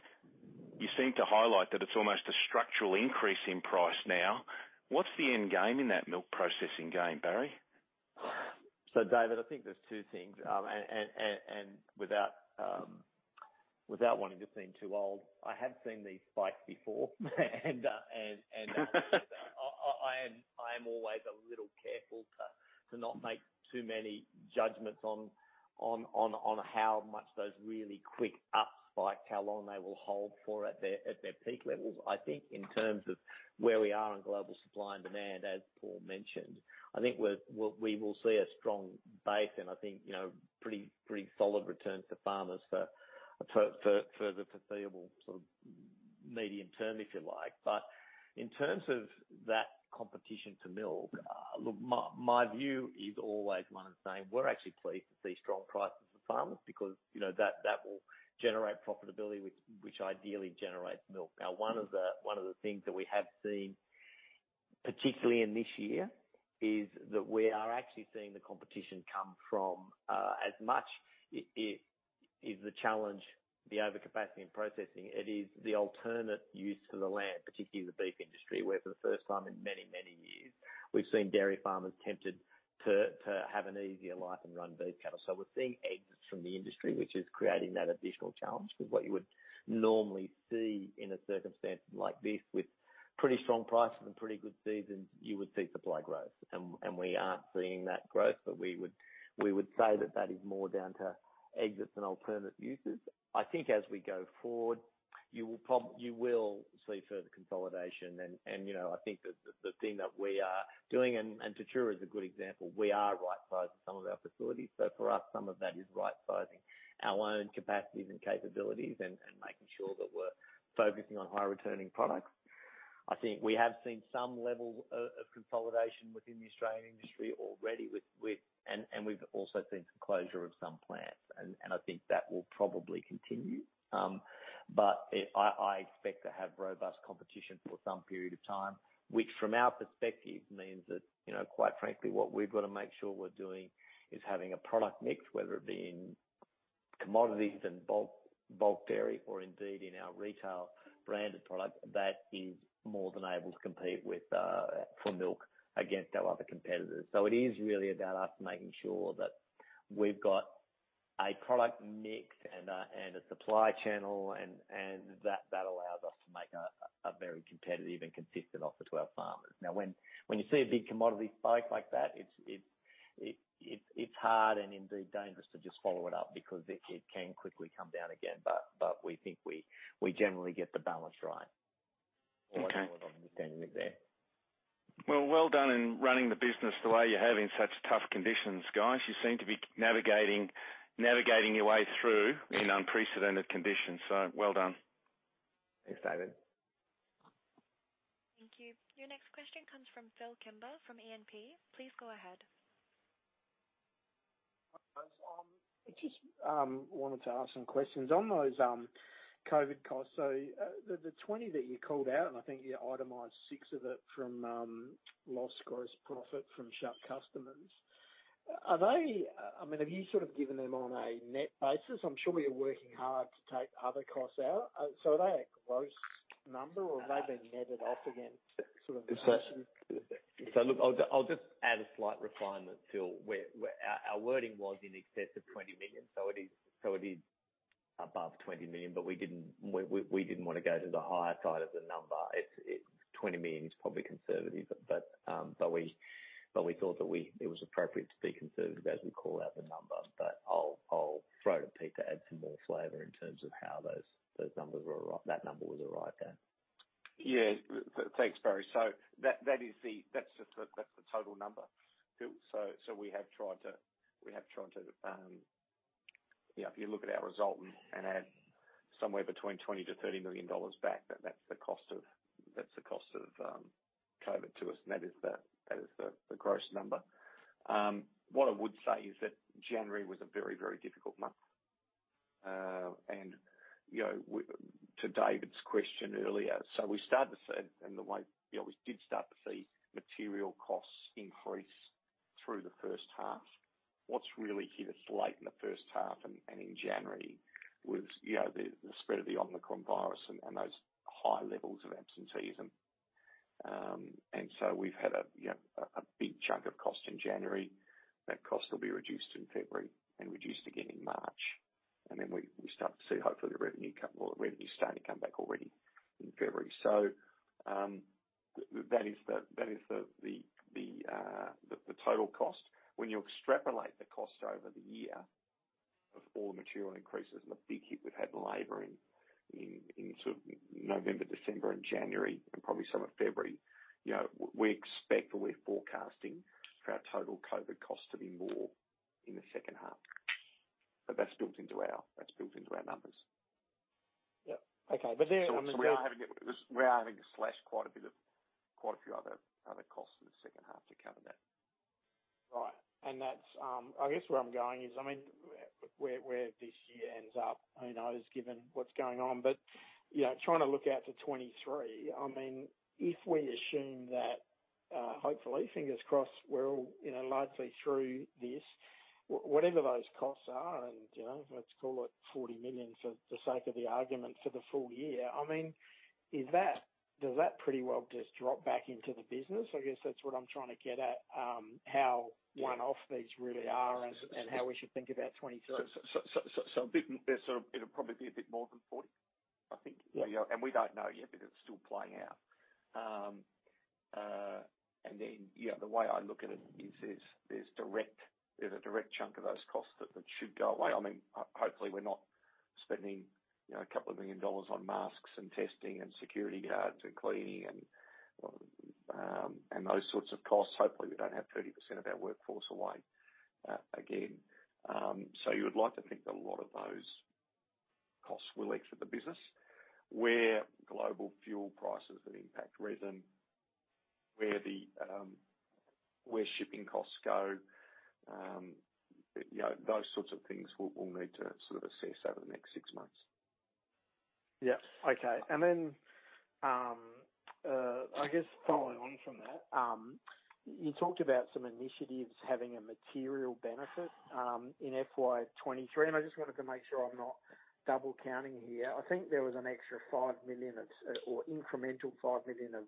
You seem to highlight that it's almost a structural increase in price now. What's the end game in that milk processing game, Barry? David, I think there's two things. Without wanting to seem too old, I have seen these spikes before and I am always a little careful to not make too many judgments on how much those really quick up spikes, how long they will hold for at their peak levels. I think in terms of where we are in global supply and demand, as Paul mentioned, I think we will see a strong base and I think, you know, pretty solid returns for farmers for the foreseeable sort of medium term, if you like. In terms of that competition to milk, look, my view is always one of saying, we're actually pleased to see strong prices for farmers because, you know, that will generate profitability which ideally generates milk. Now, one of the things that we have seen, particularly in this year, is that we are actually seeing the competition come from, as much as the challenge, the overcapacity in processing, it is the alternate use for the land, particularly the beef industry, where for the first time in many, many years, we've seen dairy farmers tempted To have an easier life and run beef cattle. We're seeing exits from the industry, which is creating that additional challenge with what you would normally see in a circumstance like this with pretty strong prices and pretty good seasons, you would see supply growth. We aren't seeing that growth, but we would say that is more down to exits and alternate uses. I think as we go forward, you will see further consolidation. You know, I think that the thing that we are doing, Tatura is a good example, we are right sizing some of our facilities. For us, some of that is right sizing our own capacities and capabilities and making sure that we're focusing on high returning products. I think we have seen some level of consolidation within the Australian industry already. We've also seen some closure of some plants. I think that will probably continue. But I expect to have robust competition for some period of time, which from our perspective means that, you know, quite frankly, what we've got to make sure we're doing is having a product mix, whether it be in commodities and bulk dairy or indeed in our retail branded product that is more than able to compete with for milk against our other competitors. It is really about us making sure that we've got a product mix and a supply channel and that allows us to make a very competitive and consistent offer to our farmers. Now, when you see a big commodity spike like that, it's hard and indeed dangerous to just follow it up because it can quickly come down again. But we think we generally get the balance right. Okay. more than understanding it there. Well, well done in running the business the way you have in such tough conditions, guys. You seem to be navigating your way through in unprecedented conditions. Well done. Thanks, David. Thank you. Your next question comes from Phil Kimber from E&P. Please go ahead. I just wanted to ask some questions. On those COVID costs, the 20 that you called out, and I think you itemized 6 of it from lost gross profit from shut customers. Are they, I mean, have you sort of given them on a net basis? I'm sure you're working hard to take other costs out. Are they a gross number or have they been netted off against sort of- Look, I'll just add a slight refinement, Phil. Where our wording was in excess of 20 million, so it is above 20 million. We didn't wanna go to the higher side of the number. It's 20 million is probably conservative, but we thought that it was appropriate to be conservative as we call out the number. I'll throw to Pete to add some more flavor in terms of how that number was arrived at. Yeah. Thanks, Barry. That is the total number, Phil. We have tried to Yeah, if you look at our result and add somewhere between 20 million-30 million dollars back, that's the cost of COVID to us, and that is the gross number. What I would say is that January was a very difficult month. You know, to David's question earlier, we started to see material costs increase through the first half. What's really hit us late in the first half and in January was the spread of the Omicron virus and those high levels of absenteeism. We've had a big chunk of cost in January. That cost will be reduced in February and reduced again in March. We start to see hopefully the revenue come. Well, the revenue's starting to come back already in February. That is the total cost. When you extrapolate the cost over the year of all the material increases and the big hit we've had in labor in sort of November, December and January and probably some of February, you know, we expect or we're forecasting for our total COVID cost to be more in the second half. That's built into our numbers. Yeah. Okay. We're having to slash quite a few other costs in the second half to counter that. Right. That's, I guess where I'm going is, I mean, where this year ends up, who knows, given what's going on. You know, trying to look out to 2023, I mean, if we assume that, hopefully, fingers crossed, we're all, you know, largely through this, whatever those costs are and, you know, let's call it 40 million for the sake of the argument for the full year, I mean, is that, does that pretty well just drop back into the business? I guess that's what I'm trying to get at, how one-off these really are and how we should think about 2023. It'll probably be a bit more than 40, I think. Yeah. We don't know yet because it's still playing out. You know, the way I look at it is there's a direct chunk of those costs that should go away. I mean, hopefully, we're not spending, you know, a couple of million dollars on masks and testing and security guards and cleaning and those sorts of costs. Hopefully, we don't have 30% of our workforce away again. You would like to think that a lot of those costs will exit the business. Where global fuel prices that impact resin, where the, where shipping costs go, you know, those sorts of things, we'll need to sort of assess over the next six months. Yeah. Okay. I guess following on from that, you talked about some initiatives having a material benefit in FY 2023, and I just wanted to make sure I'm not double counting here. I think there was an extra 5 million or incremental 5 million of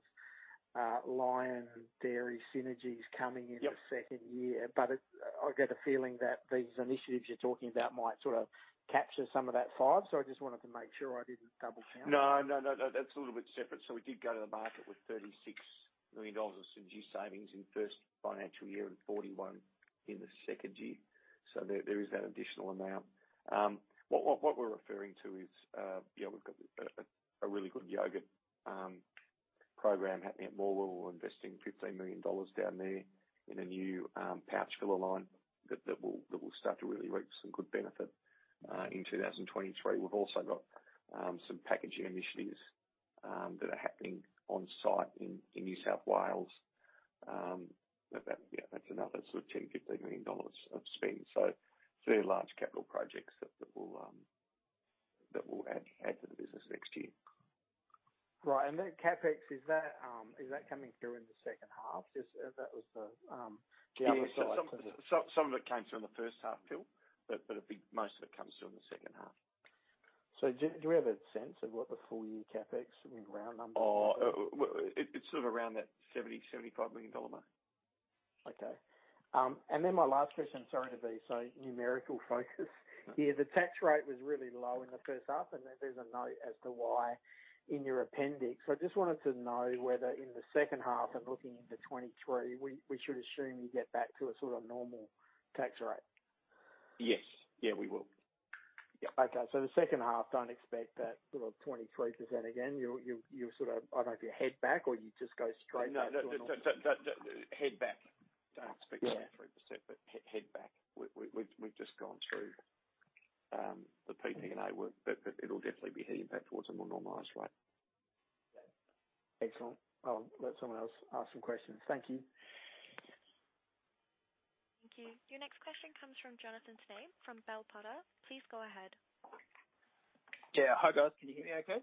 Lion Dairy & Drinks synergies coming in. Yep the second year. It, I get a feeling that these initiatives you're talking about might sort of capture some of that 5. I just wanted to make sure I didn't double count. No. That's a little bit separate. We did go to the market with 36 million dollars of synergy savings in first financial year and 41 in the second year. There is that additional amount. What we're referring to is, yeah, we've got a really good yogurt program happening at Morwell investing 15 million dollars down there in a new pouch filler line that will start to really reap some good benefit in 2023. We've also got some packaging initiatives that are happening on site in New South Wales. That, yeah, that's another sort of 10 million-15 million dollars of spend. Three large capital projects that will add to the business next year. Right. That CapEx, is that coming through in the second half? Just, that was the other side to the- Yeah. Some of it came through in the first half, Phil, but most of it comes through in the second half. Do we have a sense of what the full year CapEx, I mean, round numbers? It's sort of around that 70 million-75 million dollar mark. Okay. My last question, sorry to be so numerically focused. The tax rate was really low in the first half, and there's a note as to why in your appendix. I just wanted to know whether in the second half and looking into 2023, we should assume you get back to a sort of normal tax rate. Yes. Yeah, we will. Yep. Okay. The second half, don't expect that sort of 23% again. You sort of, I don't know if you head back or you just go straight back to a normal- No. The head back. Don't expect. Yeah 23%, but it'll head back. We've just gone through the PPA work, but it'll definitely be heading back towards a more normalized rate. Excellent. I'll let someone else ask some questions. Thank you. Thank you. Your next question comes from Jonathan Snape from Bell Potter. Please go ahead. Yeah. Hi, guys. Can you hear me okay?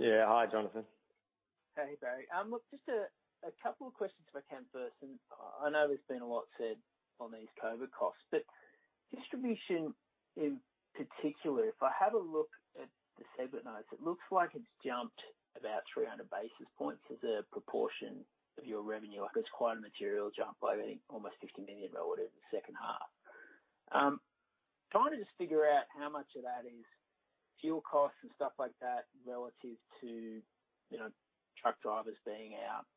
Yeah. Hi, Jonathan. Hey, Barry. Look, just a couple of questions if I can first. I know there's been a lot said on these COVID costs, but distribution in particular, if I have a look at the segment, it looks like it's jumped about 300 basis points as a proportion of your revenue. Like, it's quite a material jump by, I think, almost 50 million relative in the second half. Trying to just figure out how much of that is fuel costs and stuff like that relative to, you know, truck drivers being out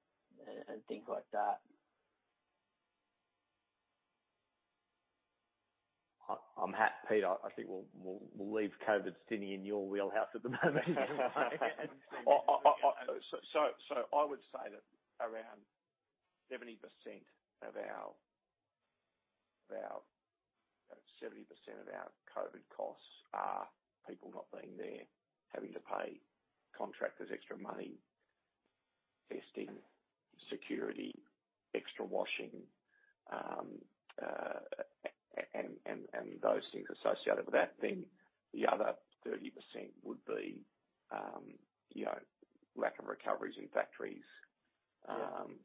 and things like that. I think we'll leave COVID sitting in your wheelhouse at the moment. I would say that around 70% of our COVID costs are people not being there, having to pay contractors extra money, testing, security, extra washing, and those things associated with that. The other 30% would be lack of recoveries in factories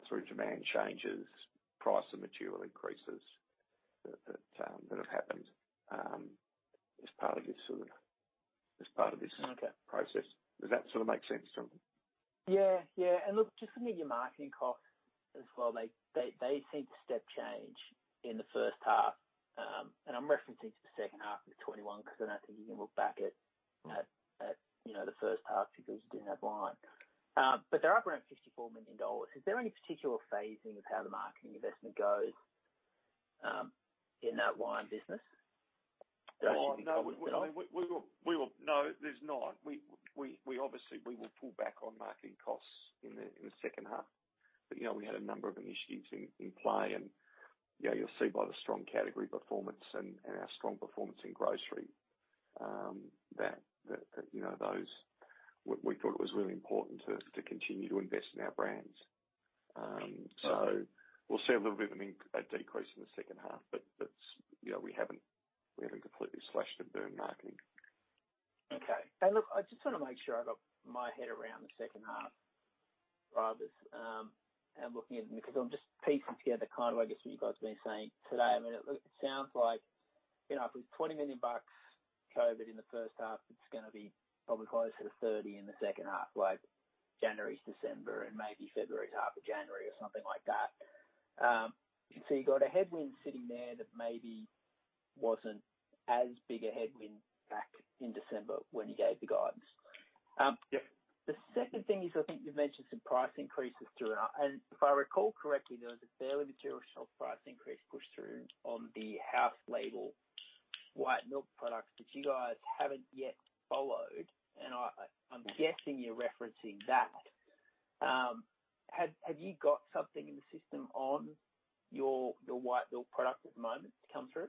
through demand changes, price of material increases that have happened as part of this sort of, as part of this- Okay Process. Does that sort of make sense, Jonathan? Yeah, yeah. Look, just looking at your marketing costs as well, they seem to step change in the first half. I'm referencing to the second half of 2021, 'cause I don't think you can look back at- Right you know, the first half because you didn't have Lion. They're up around 54 million dollars. Is there any particular phasing of how the marketing investment goes in that Lion business? Is there anything- Oh, no. We will. No, there's not. We obviously will pull back on marketing costs in the second half. You know, we had a number of initiatives in play and, you know, you'll see by the strong category performance and our strong performance in grocery that, you know, those. We thought it was really important to continue to invest in our brands. We'll see a little bit of a decrease in the second half. That's, you know, we haven't completely slashed and burned marketing. Okay. Look, I just wanna make sure I got my head around the second half rather, and looking at it, because I'm just piecing together kind of, I guess, what you guys have been saying today. I mean, it sounds like, you know, if it was 20 million bucks COVID in the first half, it's gonna be probably closer to 30 million in the second half, like January to December and maybe February to half of January or something like that. So you've got a headwind sitting there that maybe wasn't as big a headwind back in December when you gave the guidance. Yep. The second thing is, I think you've mentioned some price increases through. If I recall correctly, there was a fairly material shelf price increase pushed through on the house label, white milk products that you guys haven't yet followed, and I'm guessing you're referencing that. Have you got something in the system on your white milk product at the moment to come through?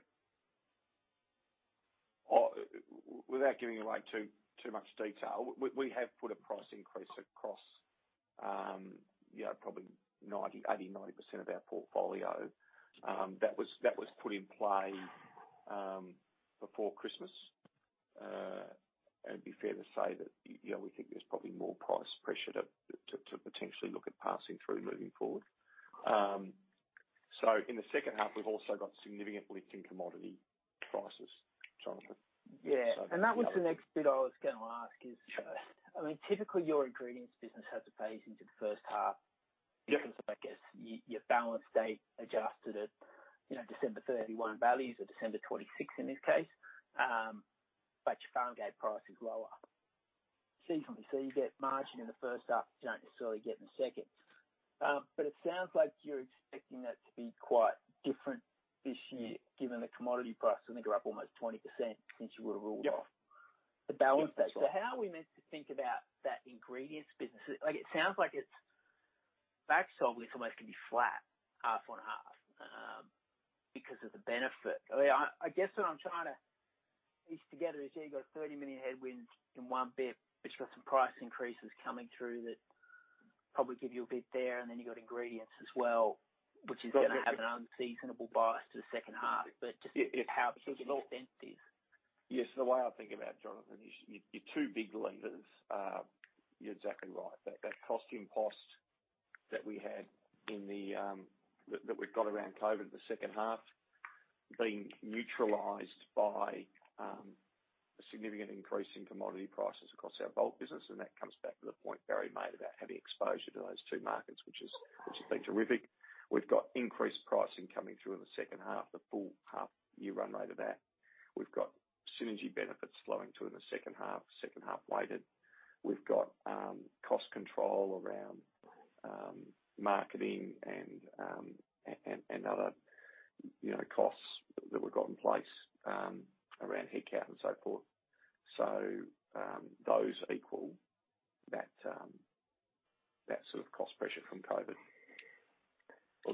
Without giving away too much detail, we have put a price increase across, you know, probably 80%-90% of our portfolio. That was put in play before Christmas. It'd be fair to say that, you know, we think there's probably more price pressure to potentially look at passing through moving forward. In the second half, we've also got significant lifting commodity prices, Jonathan. Yeah. That was the next bit I was gonna ask is Sure. I mean, typically, your ingredients business has a phase into the first half. The difference, I guess, your balance date adjusted to, you know, December 31 values or December 26 in this case, but your farm gate price is lower seasonally. You get margin in the first half, you don't necessarily get in the second. It sounds like you're expecting that to be quite different this year given the commodity price, I think you're up almost 20% since you were rolled off. Yeah. The balance date. How are we meant to think about that ingredients business? Like, it sounds like it's back slightly, so much can be flat half on half, because of the benefit. I guess what I'm trying to piece together is, yeah, you've got 30 million headwinds in one bit, but you've got some price increases coming through that probably give you a bit there, and then you've got ingredients as well, which is gonna have an unseasonable bias to the second half. Just how should we look at this? Yes. The way I think about it, Jonathan, is your two big levers, you're exactly right. That cost impost that we've got around COVID in the second half being neutralized by a significant increase in commodity prices across our bulk business, and that comes back to the point Barry made about having exposure to those two markets, which has been terrific. We've got increased pricing coming through in the second half, the full half-year run rate of that. We've got synergy benefits flowing through in the second half, second half weighted. We've got cost control around marketing and other, you know, costs that we've got in place around headcount and so forth. Those equal that sort of cost pressure from COVID.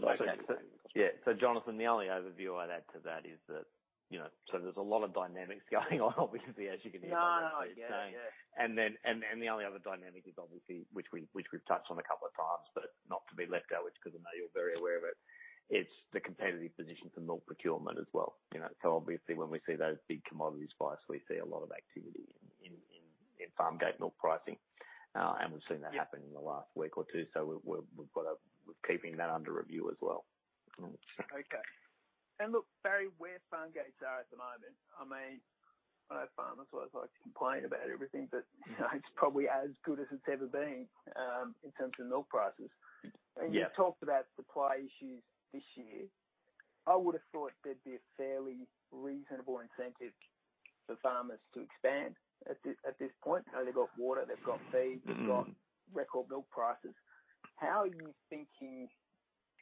Okay. Although. Yeah. Jonathan, the only other view I'd add to that is that, you know, so there's a lot of dynamics going on obviously, as you can hear, Jonathan. No, I know. Yeah. Yeah. The only other dynamic is obviously, which we've touched on a couple of times, but not to be let go, which because I know you're very aware of it's the competitive position for milk procurement as well, you know. Obviously, when we see those big commodities spikes, we see a lot of activity in farm gate milk pricing. We've seen that happen. Yeah In the last week or two. We're keeping that under review as well. Okay. Look, Barry, where farm gate is at the moment, I mean, I know farmers always like to complain about everything, but, you know, it's probably as good as it's ever been, in terms of milk prices. Yeah. You talked about supply issues this year. I would have thought there'd be a fairly reasonable incentive for farmers to expand at this point. You know, they've got water, they've got feed- Mm-hmm They've got record milk prices. How are you thinking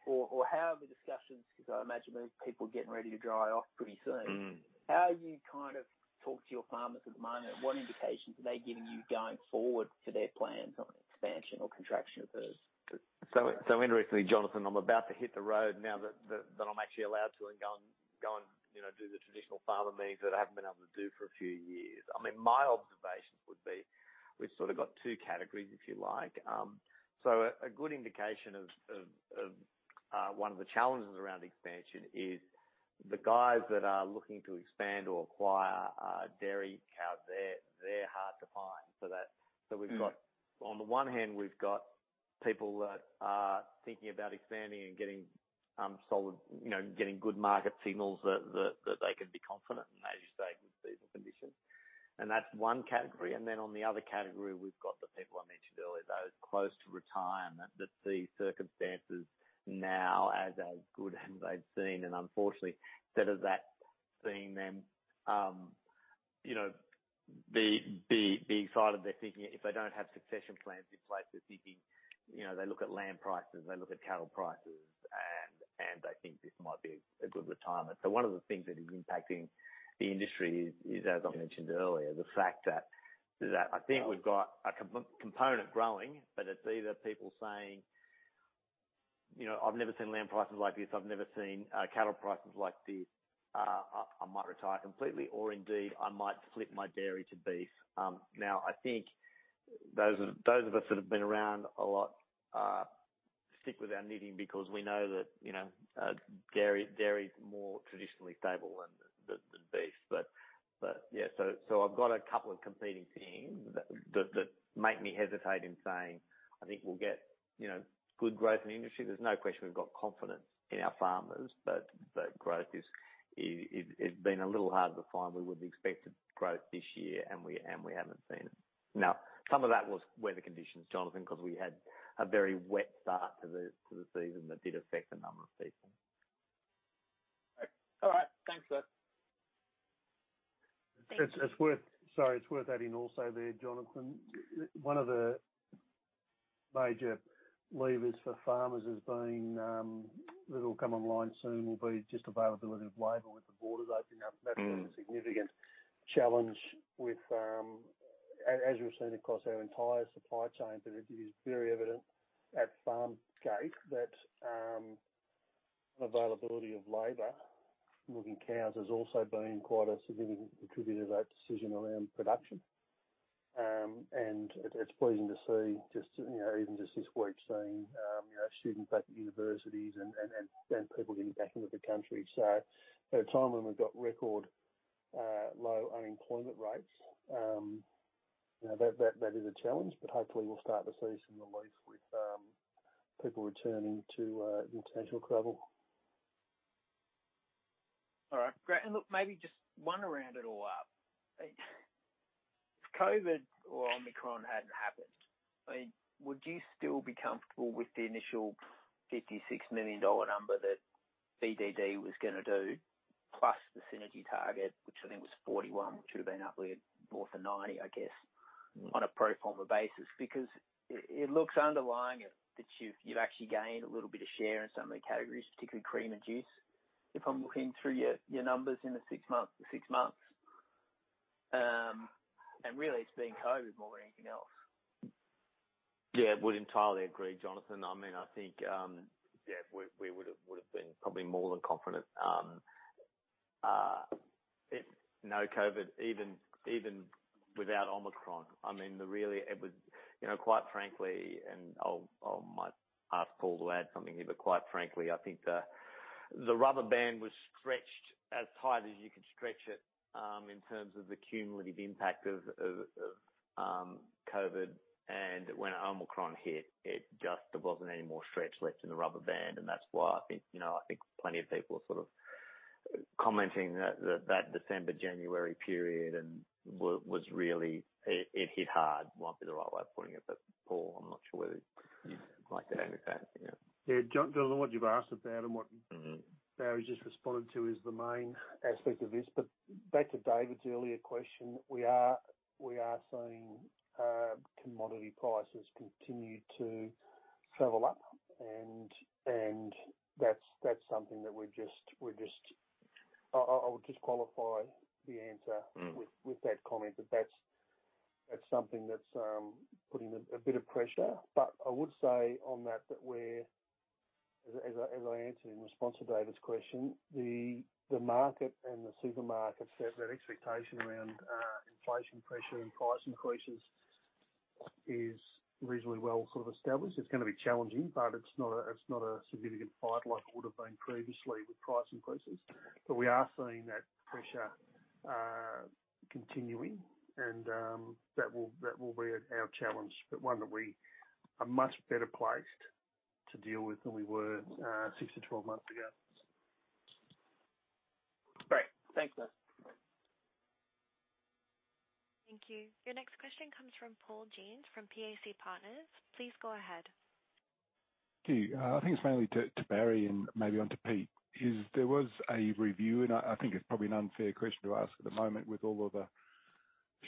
or how are the discussions, 'cause I imagine there's people getting ready to dry off pretty soon. Mm-hmm. How are you kind of talking to your farmers at the moment? What indications are they giving you going forward for their plans on expansion or contraction of herds? Interestingly, Jonathan, I'm about to hit the road now that I'm actually allowed to and go and, you know, do the traditional farmer meetings that I haven't been able to do for a few years. I mean, my observations would be, we've sort of got two categories, if you like. A good indication of one of the challenges around expansion is the guys that are looking to expand or acquire a dairy cow, they're hard to find. That- Mm-hmm On the one hand, we've got people that are thinking about expanding and getting good market signals that they can be confident in, as you say, good seasonal conditions. That's one category. Then on the other category, we've got the people I mentioned earlier, those close to retirement that see circumstances now as good as they've seen. Unfortunately, instead of seeing them be excited, they're thinking if they don't have succession plans in place, they look at land prices, they look at cattle prices, and they think this might be a good retirement. One of the things that is impacting the industry is, as I mentioned earlier, the fact that I think we've got a component growing, but it's either people saying, "You know, I've never seen land prices like this. I've never seen cattle prices like this. I might retire completely, or indeed I might flip my dairy to beef." Now, I think those of us that have been around a lot stick with our knitting because we know that, you know, dairy is more traditionally stable than beef. Yeah, I've got a couple of competing themes that make me hesitate in saying I think we'll get, you know, good growth in the industry. There's no question we've got confidence in our farmers, but growth is being a little harder to find. We would expect growth this year, and we haven't seen it. Now, some of that was weather conditions, Jonathan, 'cause we had a very wet start to the season that did affect a number of people. All right. Thanks, sir. It's worth adding also there, Jonathan, one of the major levers for farmers has been that'll come online soon, will be just availability of labor with the borders opening up. Mm-hmm. That's been a significant challenge with, as we've seen across our entire supply chain, but it is very evident at farm gate that, availability of labor, milking cows, has also been quite a significant contributor to that decision around production. And it's pleasing to see just, you know, even just this week seeing, you know, students back at universities and people getting back into the country. So at a time when we've got record low unemployment rates. Now that is a challenge, but hopefully we'll start to see some release with people returning to international travel. All right, great. Look, maybe just one to round it all up. If COVID or Omicron hadn't happened, I mean, would you still be comfortable with the initial 56 million dollar number that BDD was gonna do, plus the synergy target, which I think was 41, which would have been upward north of 90, I guess, on a pro forma basis? Because it looks underlying it that you've actually gained a little bit of share in some of the categories, particularly cream and juice, if I'm looking through your numbers in the six months. Really it's been COVID more than anything else. Yeah, would entirely agree, Jonathan. I mean, I think, yeah, we would've been probably more than confident, if no COVID, even without Omicron. I mean, it was, you know, quite frankly, and I might ask Paul to add something here, but quite frankly, I think the rubber band was stretched as tight as you could stretch it, in terms of the cumulative impact of COVID. When Omicron hit, it just, there wasn't any more stretch left in the rubber band. That's why I think, you know, I think plenty of people are sort of commenting that December-January period and was really, it hit hard, might be the right way of putting it. Paul, I'm not sure whether you'd like to add anything. Yeah. Yeah. Jonathan, what you've asked about and what Mm-hmm Barry's just responded to is the main aspect of this. Back to David's earlier question, we are seeing commodity prices continue to travel up and that's something that we're just. I would just qualify the answer. Mm-hmm... with that comment, that's something that's putting a bit of pressure. I would say on that we're, as I answered in response to David's question, the market and the supermarkets have that expectation around inflation pressure and price increases is reasonably well sort of established. It's gonna be challenging, but it's not a significant fight like it would have been previously with price increases. We are seeing that pressure continuing and that will be our challenge, but one that we are much better placed to deal with than we were 6-12 months ago. Great. Thanks, guys. Thank you. Your next question comes from Paul Jensz from PAC Partners. Please go ahead. Thank you. I think it's mainly to Barry and maybe on to Pete. Was there a review and I think it's probably an unfair question to ask at the moment with all of the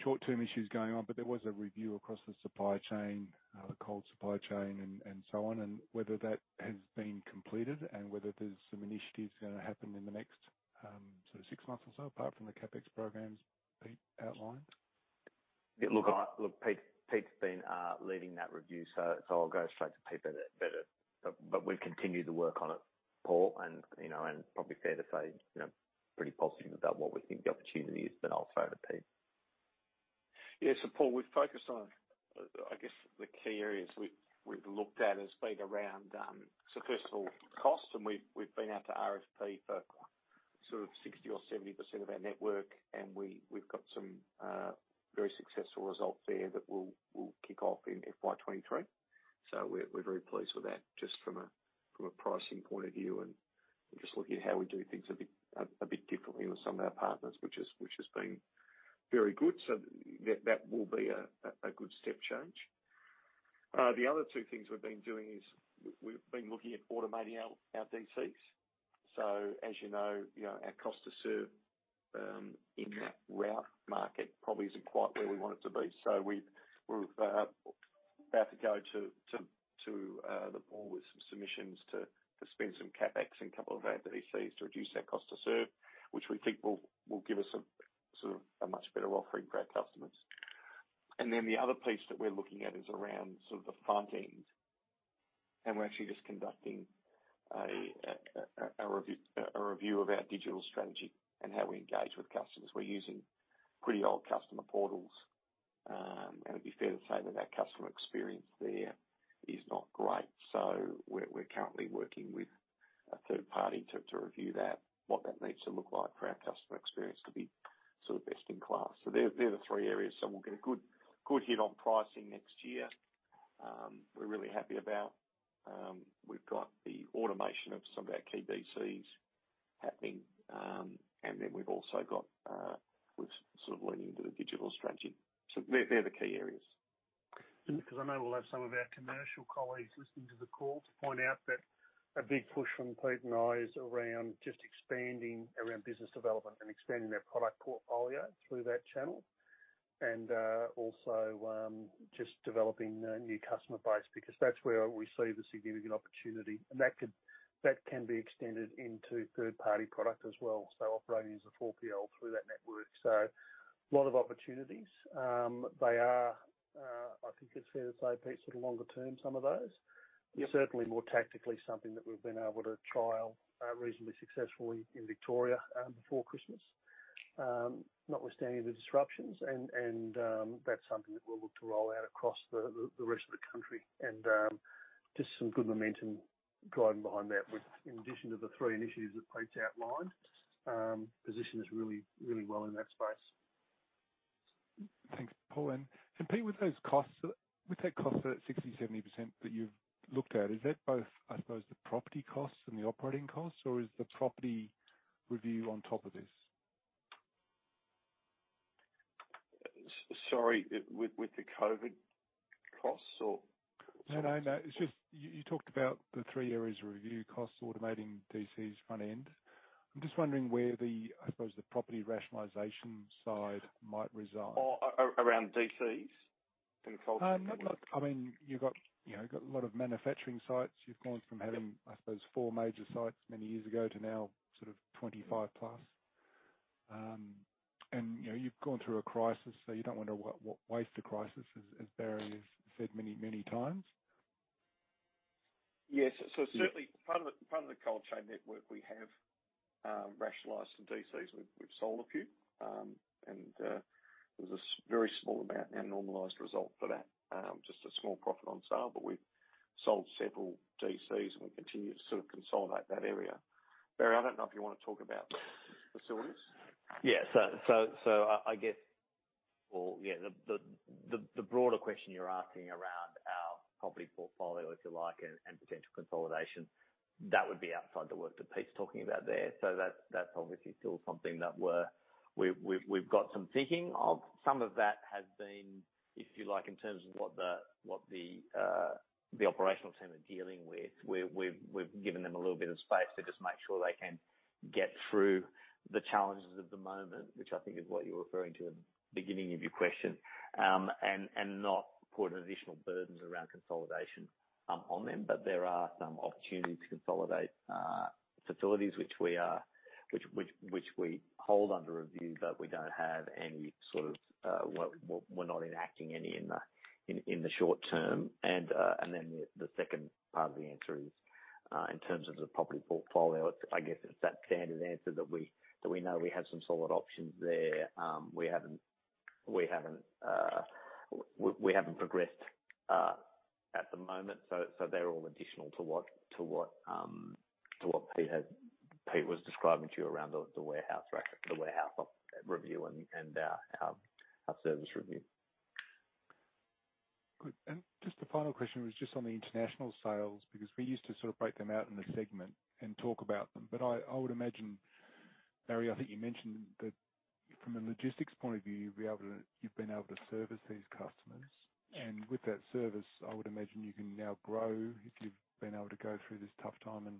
short-term issues going on, but there was a review across the supply chain, the cold supply chain and so on. Whether that has been completed and whether there's some initiatives gonna happen in the next sort of six months or so, apart from the CapEx programs Pete outlined. Look, Pete's been leading that review, so I'll go straight to Pete. We've continued to work on it, Paul, and, you know, probably fair to say, you know, pretty positive about what we think the opportunity is. I'll throw to Pete. Paul, we've focused on, I guess the key areas we've looked at has been around cost, and we've been out to RFP for sort of 60 or 70% of our network, and we've got some very successful results there that we'll kick off in FY 2023. We're very pleased with that, just from a pricing point of view and just looking at how we do things a bit differently with some of our partners, which has been very good. That will be a good step change. The other two things we've been doing is we've been looking at automating our DCs. As you know, our cost to serve in that route market probably isn't quite where we want it to be. We're about to go to the pool with some submissions to spend some CapEx in a couple of our DCs to reduce our cost to serve, which we think will give us sort of a much better offering for our customers. Then the other piece that we're looking at is around sort of the front end, and we're actually just conducting a review of our digital strategy and how we engage with customers. We're using pretty old customer portals, and it'd be fair to say that our customer experience there is not great. We're currently working with a third party to review that, what that needs to look like for our customer experience to be sort of best in class. They're the three areas. We'll get a good hit on pricing next year. We're really happy about, we've got the automation of some of our key DCs happening. We've also got, we're sort of leaning into the digital strategy. They're the key areas. Because I know we'll have some of our commercial colleagues listening to the call to point out that a big push from Pete and I is around just expanding around business development and expanding our product portfolio through that channel and, also, just developing a new customer base because that's where we see the significant opportunity. That can be extended into third-party product as well. Operating as a 4PL through that network. A lot of opportunities. They are, I think it's fair to say, Pete, sort of longer term, some of those. Yeah. Certainly more tactically something that we've been able to trial reasonably successfully in Victoria before Christmas, notwithstanding the disruptions and that's something that we'll look to roll out across the rest of the country and just some good momentum driving behind that, which in addition to the three initiatives that Pete's outlined positions really, really well in that space. Thanks, Paul. Pete, with those costs, with that cost at 60%-70% that you've looked at, is that both, I suppose, the property costs and the operating costs, or is the property review on top of this? Sorry, with the COVID-19 costs or No, no. It's just you talked about the three areas of reducing costs, automating DCs, front end. I'm just wondering where the, I suppose, the property rationalization side might reside. Around DCs? Consolidation. I mean, you've got, you know, you've got a lot of manufacturing sites. You've gone from having, I suppose, four major sites many years ago to now sort of 25 plus. You know, you've gone through a crisis, so you don't want to waste a crisis, as Barry has said many times. Yes. Certainly part of the cold chain network we have rationalized some DCs. We've sold a few. There's a very small amount in our normalized result for that, just a small profit on sale, but we've sold several DCs and we continue to sort of consolidate that area. Barry, I don't know if you wanna talk about facilities. Yeah. I get the broader question you're asking around our property portfolio, if you like, and potential consolidation. That would be outside the work that Pete's talking about there. That's obviously still something that we've got some thinking of. Some of that has been, if you like, in terms of what the operational team are dealing with. We've given them a little bit of space to just make sure they can get through the challenges of the moment, which I think is what you're referring to in the beginning of your question, and not put additional burdens around consolidation on them. There are some opportunities to consolidate facilities which we hold under review, but we don't have any sort of. We're not enacting any in the short term. Then the second part of the answer is in terms of the property portfolio, it's that standard answer that we know we have some solid options there. We haven't progressed at the moment. So they're all additional to what Pete was describing to you around the warehouse review and our service review. Good. Just the final question was just on the international sales, because we used to sort of break them out in the segment and talk about them. I would imagine, Barry, I think you mentioned that from a logistics point of view, you'd be able to, you've been able to service these customers. With that service, I would imagine you can now grow if you've been able to go through this tough time and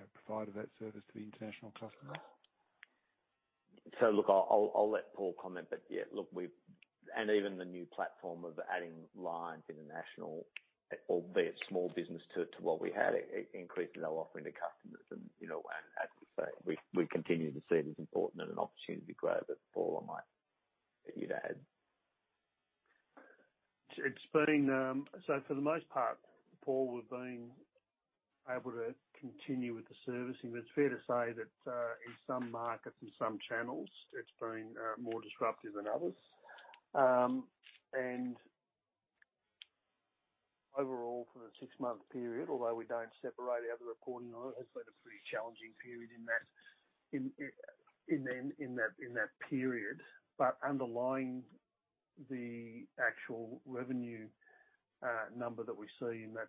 you know, provided that service to the international customers. Look, I'll let Paul comment. Yeah, look, we've even the new platform of adding Lion's international, albeit small business to what we had, it increased our offering to customers, you know, and as we say, we continue to see it as important and an opportunity to grow. Paul, I might get you to add. For the most part, Paul, we've been able to continue with the servicing. It's fair to say that in some markets and some channels, it's been more disruptive than others. Overall for the six-month period, although we don't separate out the reporting on it's been a pretty challenging period in that period. Underlying the actual revenue number that we see in that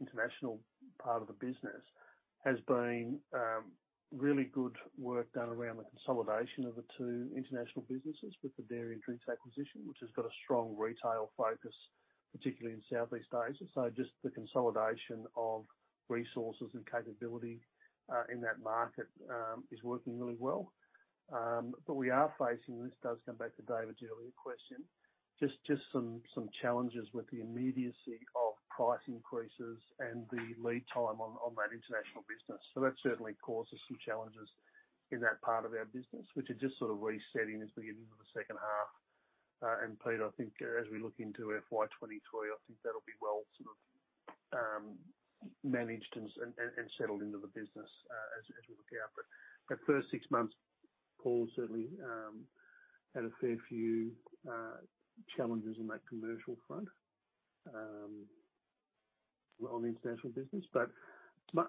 international part of the business has been really good work done around the consolidation of the two international businesses with the Dairy & Drinks acquisition, which has got a strong retail focus, particularly in Southeast Asia. Just the consolidation of resources and capability in that market is working really well. We are facing, this does come back to David's earlier question, just some challenges with the immediacy of price increases and the lead time on that international business. That certainly causes some challenges in that part of our business, which are just sort of resetting as the beginning of the second half. Pete, I think as we look into FY 2023, I think that'll be well sort of managed and settled into the business as we look out. That first six months, Paul certainly had a fair few challenges on that commercial front on the international business.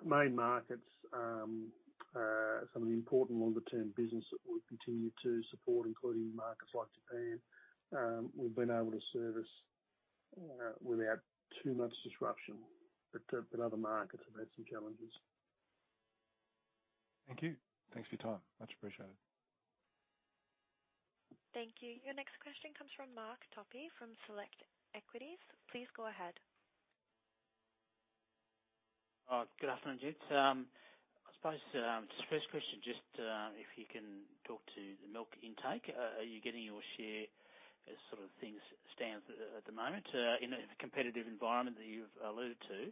Main markets, some of the important longer term business that we continue to support, including markets like Japan, we've been able to service without too much disruption. Other markets have had some challenges. Thank you. Thanks for your time. Much appreciated. Thank you. Your next question comes from Mark Topy from Select Equities. Please go ahead. Good afternoon, gents. I suppose just first question, if you can talk to the milk intake. Are you getting your share as things stand at the moment in a competitive environment that you've alluded to?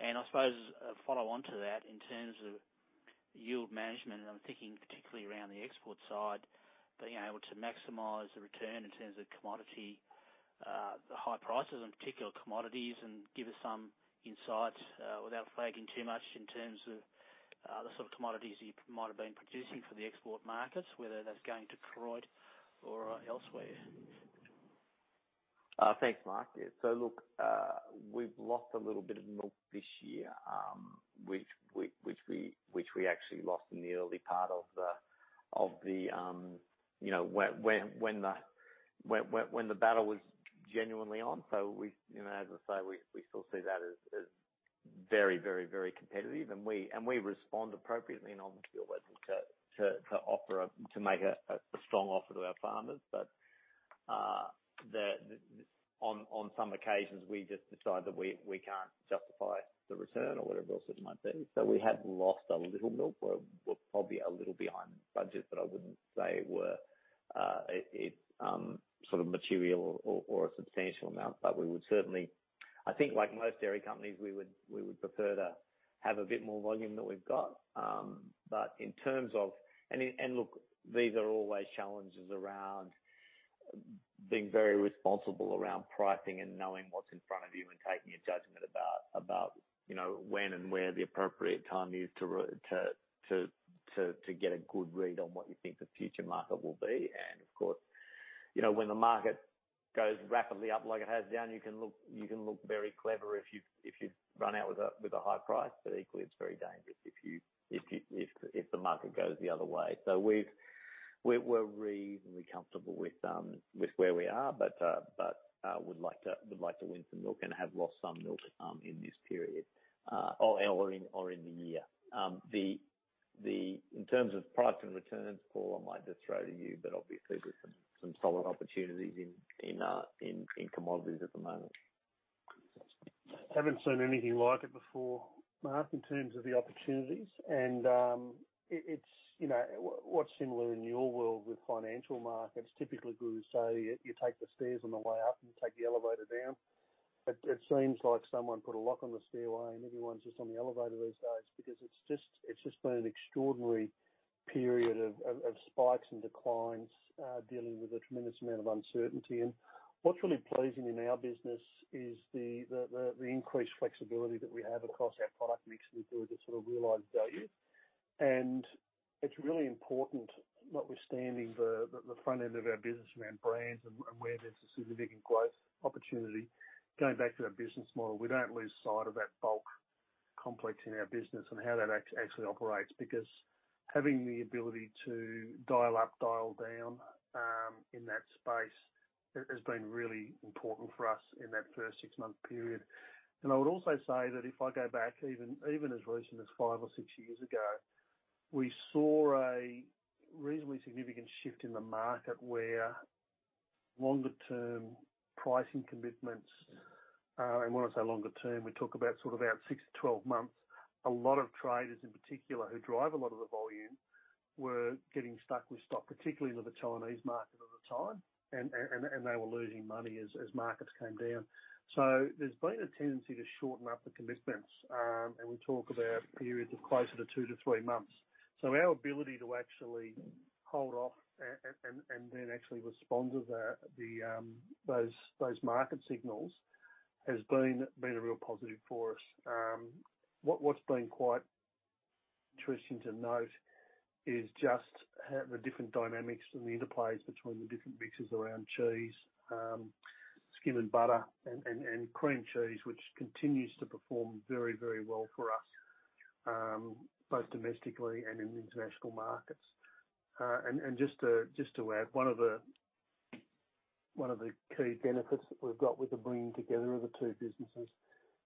I suppose a follow on to that in terms of yield management, and I'm thinking particularly around the export side, being able to maximize the return in terms of commodity high prices on particular commodities, and give us some insights without flagging too much in terms of the sort of commodities you might have been producing for the export markets, whether that's going to Detroit or elsewhere. Thanks, Mark. Yeah, so look, we've lost a little bit of milk this year, which we actually lost in the early part of the year, you know, when the battle was genuinely on. We, you know, as I say, we still see that as very competitive and we respond appropriately and on the full burden to make a strong offer to our farmers. On some occasions, we just decide that we can't justify the return or whatever else it might be. We have lost a little milk. We're probably a little behind budget, but I wouldn't say it's sort of material or a substantial amount. We would certainly, I think like most dairy companies, we would prefer to have a bit more volume than we've got. Look, these are always challenges around being very responsible around pricing and knowing what's in front of you and taking a judgment about, you know, when and where the appropriate time is to get a good read on what you think the future market will be. Of course, you know, when the market goes rapidly up like it has done, you can look very clever if you've run out with a high price. Equally, it's very dangerous if the market goes the other way. We're reasonably comfortable with where we are, but would like to win some milk and have lost some milk in this period, or in the year. In terms of product and returns, Paul, I might just throw to you, but obviously there's some solid opportunities in commodities at the moment. haven't seen anything like it before, Mark, in terms of the opportunities. It's, you know, what's similar in your world with financial markets. Typically, we say you take the stairs on the way up and take the elevator down. It seems like someone put a lock on the stairway, and everyone's just on the elevator these days because it's just been an extraordinary period of spikes and declines, dealing with a tremendous amount of uncertainty. What's really pleasing in our business is the increased flexibility that we have across our product mix that we build that sort of realized value. It's really important, notwithstanding the front end of our business around brands and where there's a significant growth opportunity, going back to that business model, we don't lose sight of that bulk complex in our business and how that actually operates. Because having the ability to dial up, dial down, in that space has been really important for us in that first 6-month period. I would also say that if I go back even as recent as 5 or 6 years ago, we saw a reasonably significant shift in the market where longer-term pricing commitments, and when I say longer term, we talk about sort of out 6 to 12 months. A lot of traders in particular, who drive a lot of the volume, were getting stuck with stock, particularly in the Chinese market at the time, and they were losing money as markets came down. There's been a tendency to shorten up the commitments, and we talk about periods of closer to 2-3 months. Our ability to actually hold off and then actually respond to the those market signals has been a real positive for us. What's been quite interesting to note is just how the different dynamics and the interplays between the different mixes around cheese, skimmed butter and cream cheese, which continues to perform very well for us, both domestically and in international markets. Just to add, one of the key benefits that we've got with the bringing together of the two businesses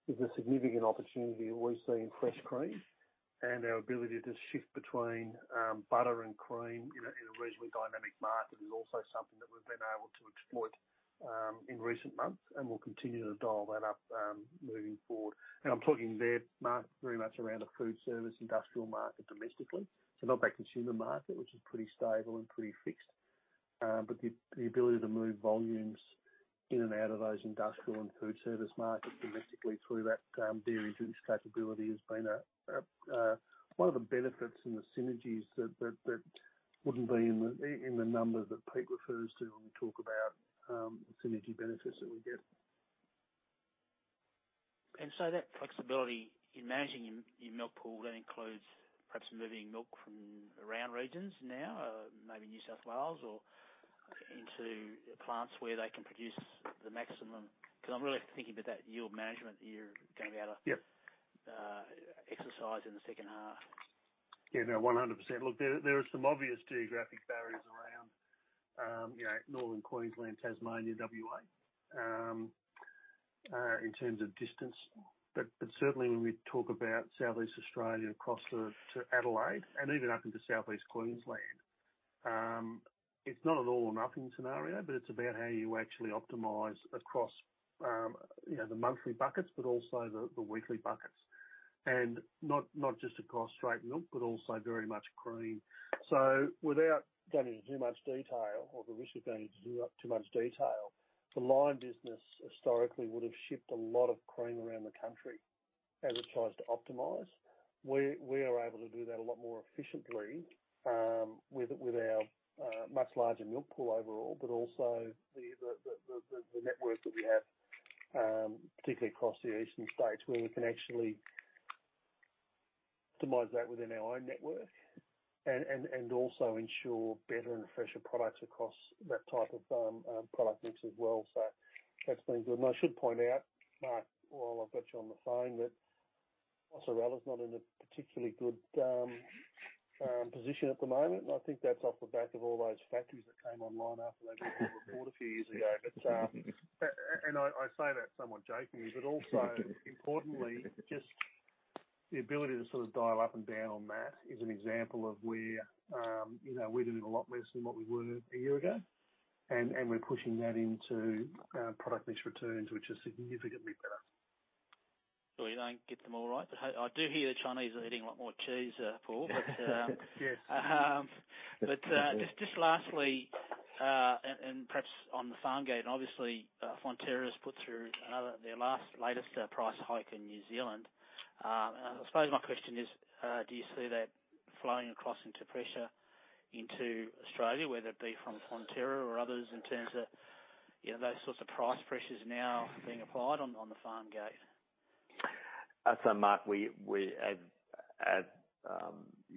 is the significant opportunity we see in fresh cream and our ability to shift between butter and cream in a reasonably dynamic market is also something that we've been able to exploit in recent months, and we'll continue to dial that up moving forward. I'm talking there, Mark, very much around the food service industrial market domestically. Not that consumer market, which is pretty stable and pretty fixed, but the ability to move volumes in and out of those industrial and food service markets domestically through that dairy and juice capability has been one of the benefits and the synergies that wouldn't be in the numbers that Pete refers to when we talk about synergy benefits that we get. That flexibility in managing your milk pool, that includes perhaps moving milk from around regions now, maybe New South Wales or into plants where they can produce the maximum. Because I'm really thinking about that yield management that you're going to be able to Yep. exercise in the second half. Yeah, no, 100%. Look, there are some obvious geographic barriers around, you know, Northern Queensland, Tasmania, WA, in terms of distance. But certainly when we talk about Southeast Australia across to Adelaide and even up into Southeast Queensland, it's not an all or nothing scenario, but it's about how you actually optimize across, you know, the monthly buckets, but also the weekly buckets. And not just across straight milk, but also very much cream. So without going into too much detail or the risk of going into too much detail, the Lion business historically would've shipped a lot of cream around the country as it tries to optimize. We are able to do that a lot more efficiently with our much larger milk pool overall, but also the network that we have, particularly across the eastern states where we can actually optimize that within our own network and also ensure better and fresher products across that type of product mix as well. That's been good. I should point out, Mark, while I've got you on the phone, that mozzarella is not in a particularly good position at the moment. I think that's off the back of all those factories that came online after that report a few years ago. I say that somewhat jokingly, but also importantly, just the ability to sort of dial up and down on that is an example of where you know we're doing a lot less than what we were a year ago, and we're pushing that into product mix returns, which are significantly better. You don't get them all right. I do hear the Chinese are eating a lot more cheese, Paul. Yes. Just lastly, perhaps on the farm gate. Obviously, Fonterra's put through their latest price hike in New Zealand. I suppose my question is, do you see that flowing across into pressure into Australia, whether it be from Fonterra or others, in terms of, you know, those sorts of price pressures now being applied on the farm gate? Mark, you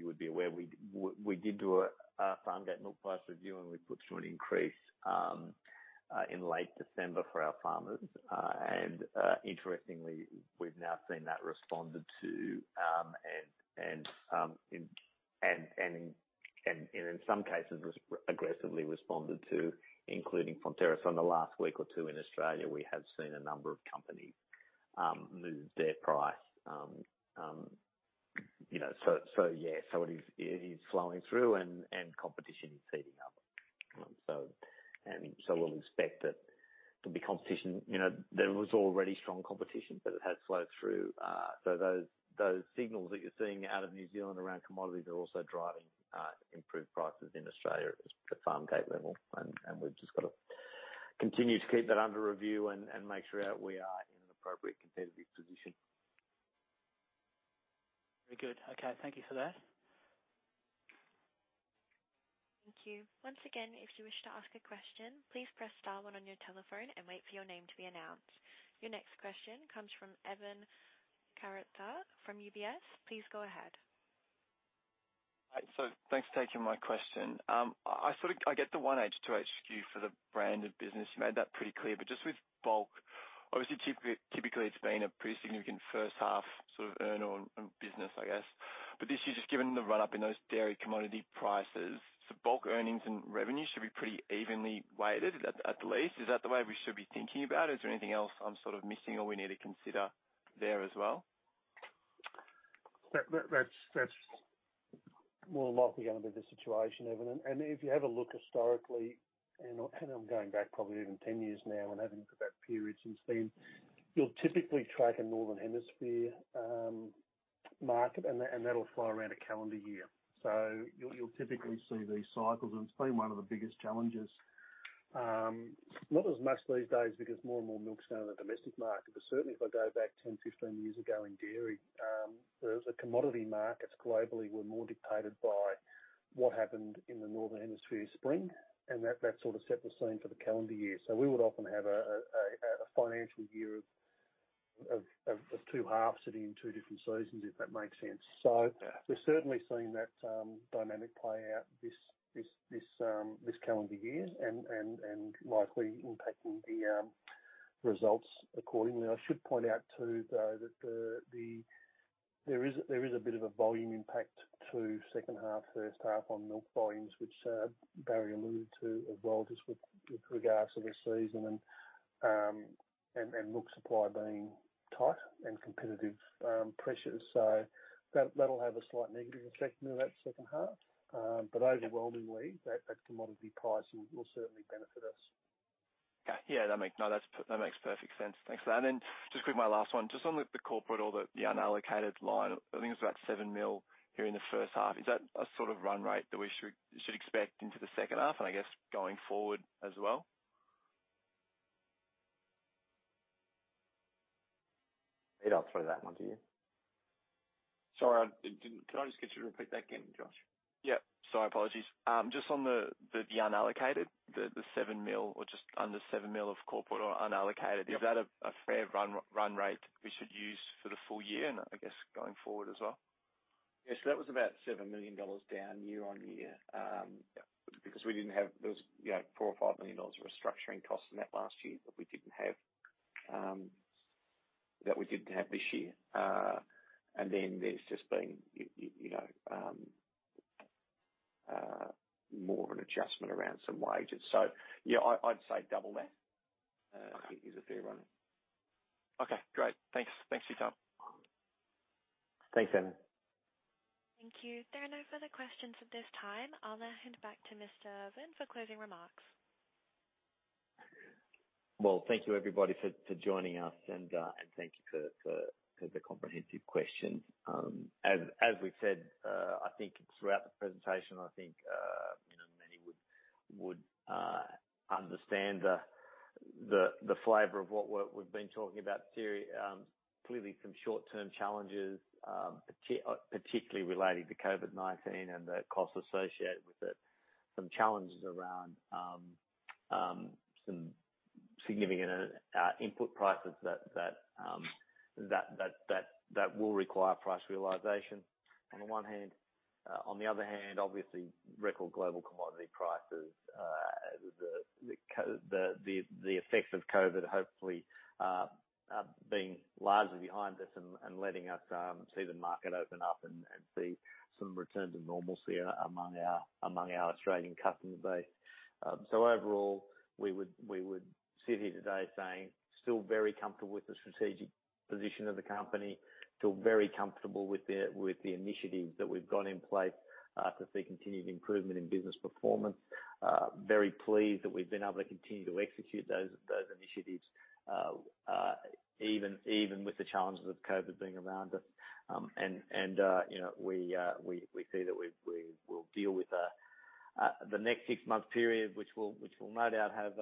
would be aware, we did a farm gate milk price review, and we put through an increase in late December for our farmers. Interestingly, we've now seen that responded to in some cases, aggressively responded to, including Fonterra. In the last week or two in Australia, we have seen a number of companies move their price. You know, yeah. It is flowing through and competition is heating up. We'll expect that there'll be competition. You know, there was already strong competition, but it has flowed through. Those signals that you're seeing out of New Zealand around commodities are also driving improved prices in Australia at the farm gate level. We've just got to continue to keep that under review and make sure we are in an appropriate competitive position. Very good. Okay. Thank you for that. Thank you. Once again, if you wish to ask a question, please press star one on your telephone and wait for your name to be announced. Your next question comes from Evan Karatzas from UBS. Please go ahead. Thanks for taking my question. I get the 1H, 2H for the branded business. You made that pretty clear. Just with bulk, obviously typically, it's been a pretty significant first half sort of earnings in the business, I guess. This year, just given the run-up in those dairy commodity prices, bulk earnings and revenue should be pretty evenly weighted, at least. Is that the way we should be thinking about it? Is there anything else I'm sort of missing or we need to consider there as well? That's more than likely gonna be the situation, Evan. If you have a look historically, I'm going back probably even 10 years now and having for that period since then, you'll typically track a Northern Hemisphere market and that'll flow around a calendar year. You'll typically see these cycles, and it's been one of the biggest challenges, not as much these days, because more and more milk's going on the domestic market. Certainly, if I go back 10, 15 years ago in dairy, the commodity markets globally were more dictated by what happened in the Northern Hemisphere spring, and that sort of set the scene for the calendar year. We would often have a financial year of two halves sitting in two different seasons, if that makes sense. We're certainly seeing that dynamic play out this calendar year and likely impacting the results accordingly. I should point out, too, though, that there is a bit of a volume impact to second half, first half on milk volumes, which Barry alluded to as well, just with regards to the season and milk supply being tight and competitive pressures. That'll have a slight negative effect in that second half. But overwhelmingly that commodity pricing will certainly benefit us. That makes perfect sense. Thanks for that. Then just quick, my last one. Just on the corporate or the unallocated line, I think it's about 7 million here in the first half. Is that a sort of run rate that we should expect into the second half and I guess going forward as well? I'll throw that one to you. Sorry, can I just get you to repeat that again, Josh? Yeah, sorry. Apologies. Just on the unallocated, the 7 million or just under 7 million of corporate or unallocated. Yep. Is that a fair run rate we should use for the full year and I guess going forward as well? Yeah. That was about 7 million dollars down year-on-year, because we didn't have those, you know, 4-5 million dollars restructuring costs in that last year that we didn't have this year. Then there's just been you know more of an adjustment around some wages. Yeah, I'd say double that is a fair run. Okay, great. Thanks. Thanks for your time. Thanks, Evan. Thank you. There are no further questions at this time. I'll now hand back to Mr. Irvin for closing remarks. Well, thank you, everybody, for joining us, and thank you for the comprehensive questions. As we said, I think throughout the presentation, I think, you know, many would understand the flavor of what we've been talking about here. Clearly some short-term challenges, particularly relating to COVID-19 and the costs associated with it. Some challenges around some significant input prices that will require price realization on the one hand. On the other hand, obviously record global commodity prices, the effects of COVID hopefully being largely behind us and letting us see the market open up and see some return to normalcy among our Australian customer base. Overall, we would sit here today saying still very comfortable with the strategic position of the company, still very comfortable with the initiatives that we've got in place to see continued improvement in business performance. Very pleased that we've been able to continue to execute those initiatives even with the challenges of COVID being around us. You know, we see that we will deal with the next six-month period, which will no doubt have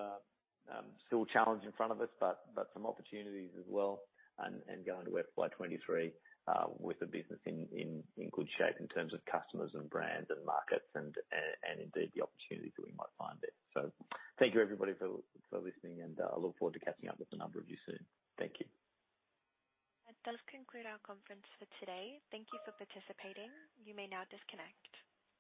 still challenges in front of us, but some opportunities as well and go into FY 2023 with the business in good shape in terms of customers and brands and markets and indeed the opportunities that we might find there. Thank you, everybody, for listening, and I look forward to catching up with a number of you soon. Thank you. That does conclude our conference for today. Thank you for participating. You may now disconnect.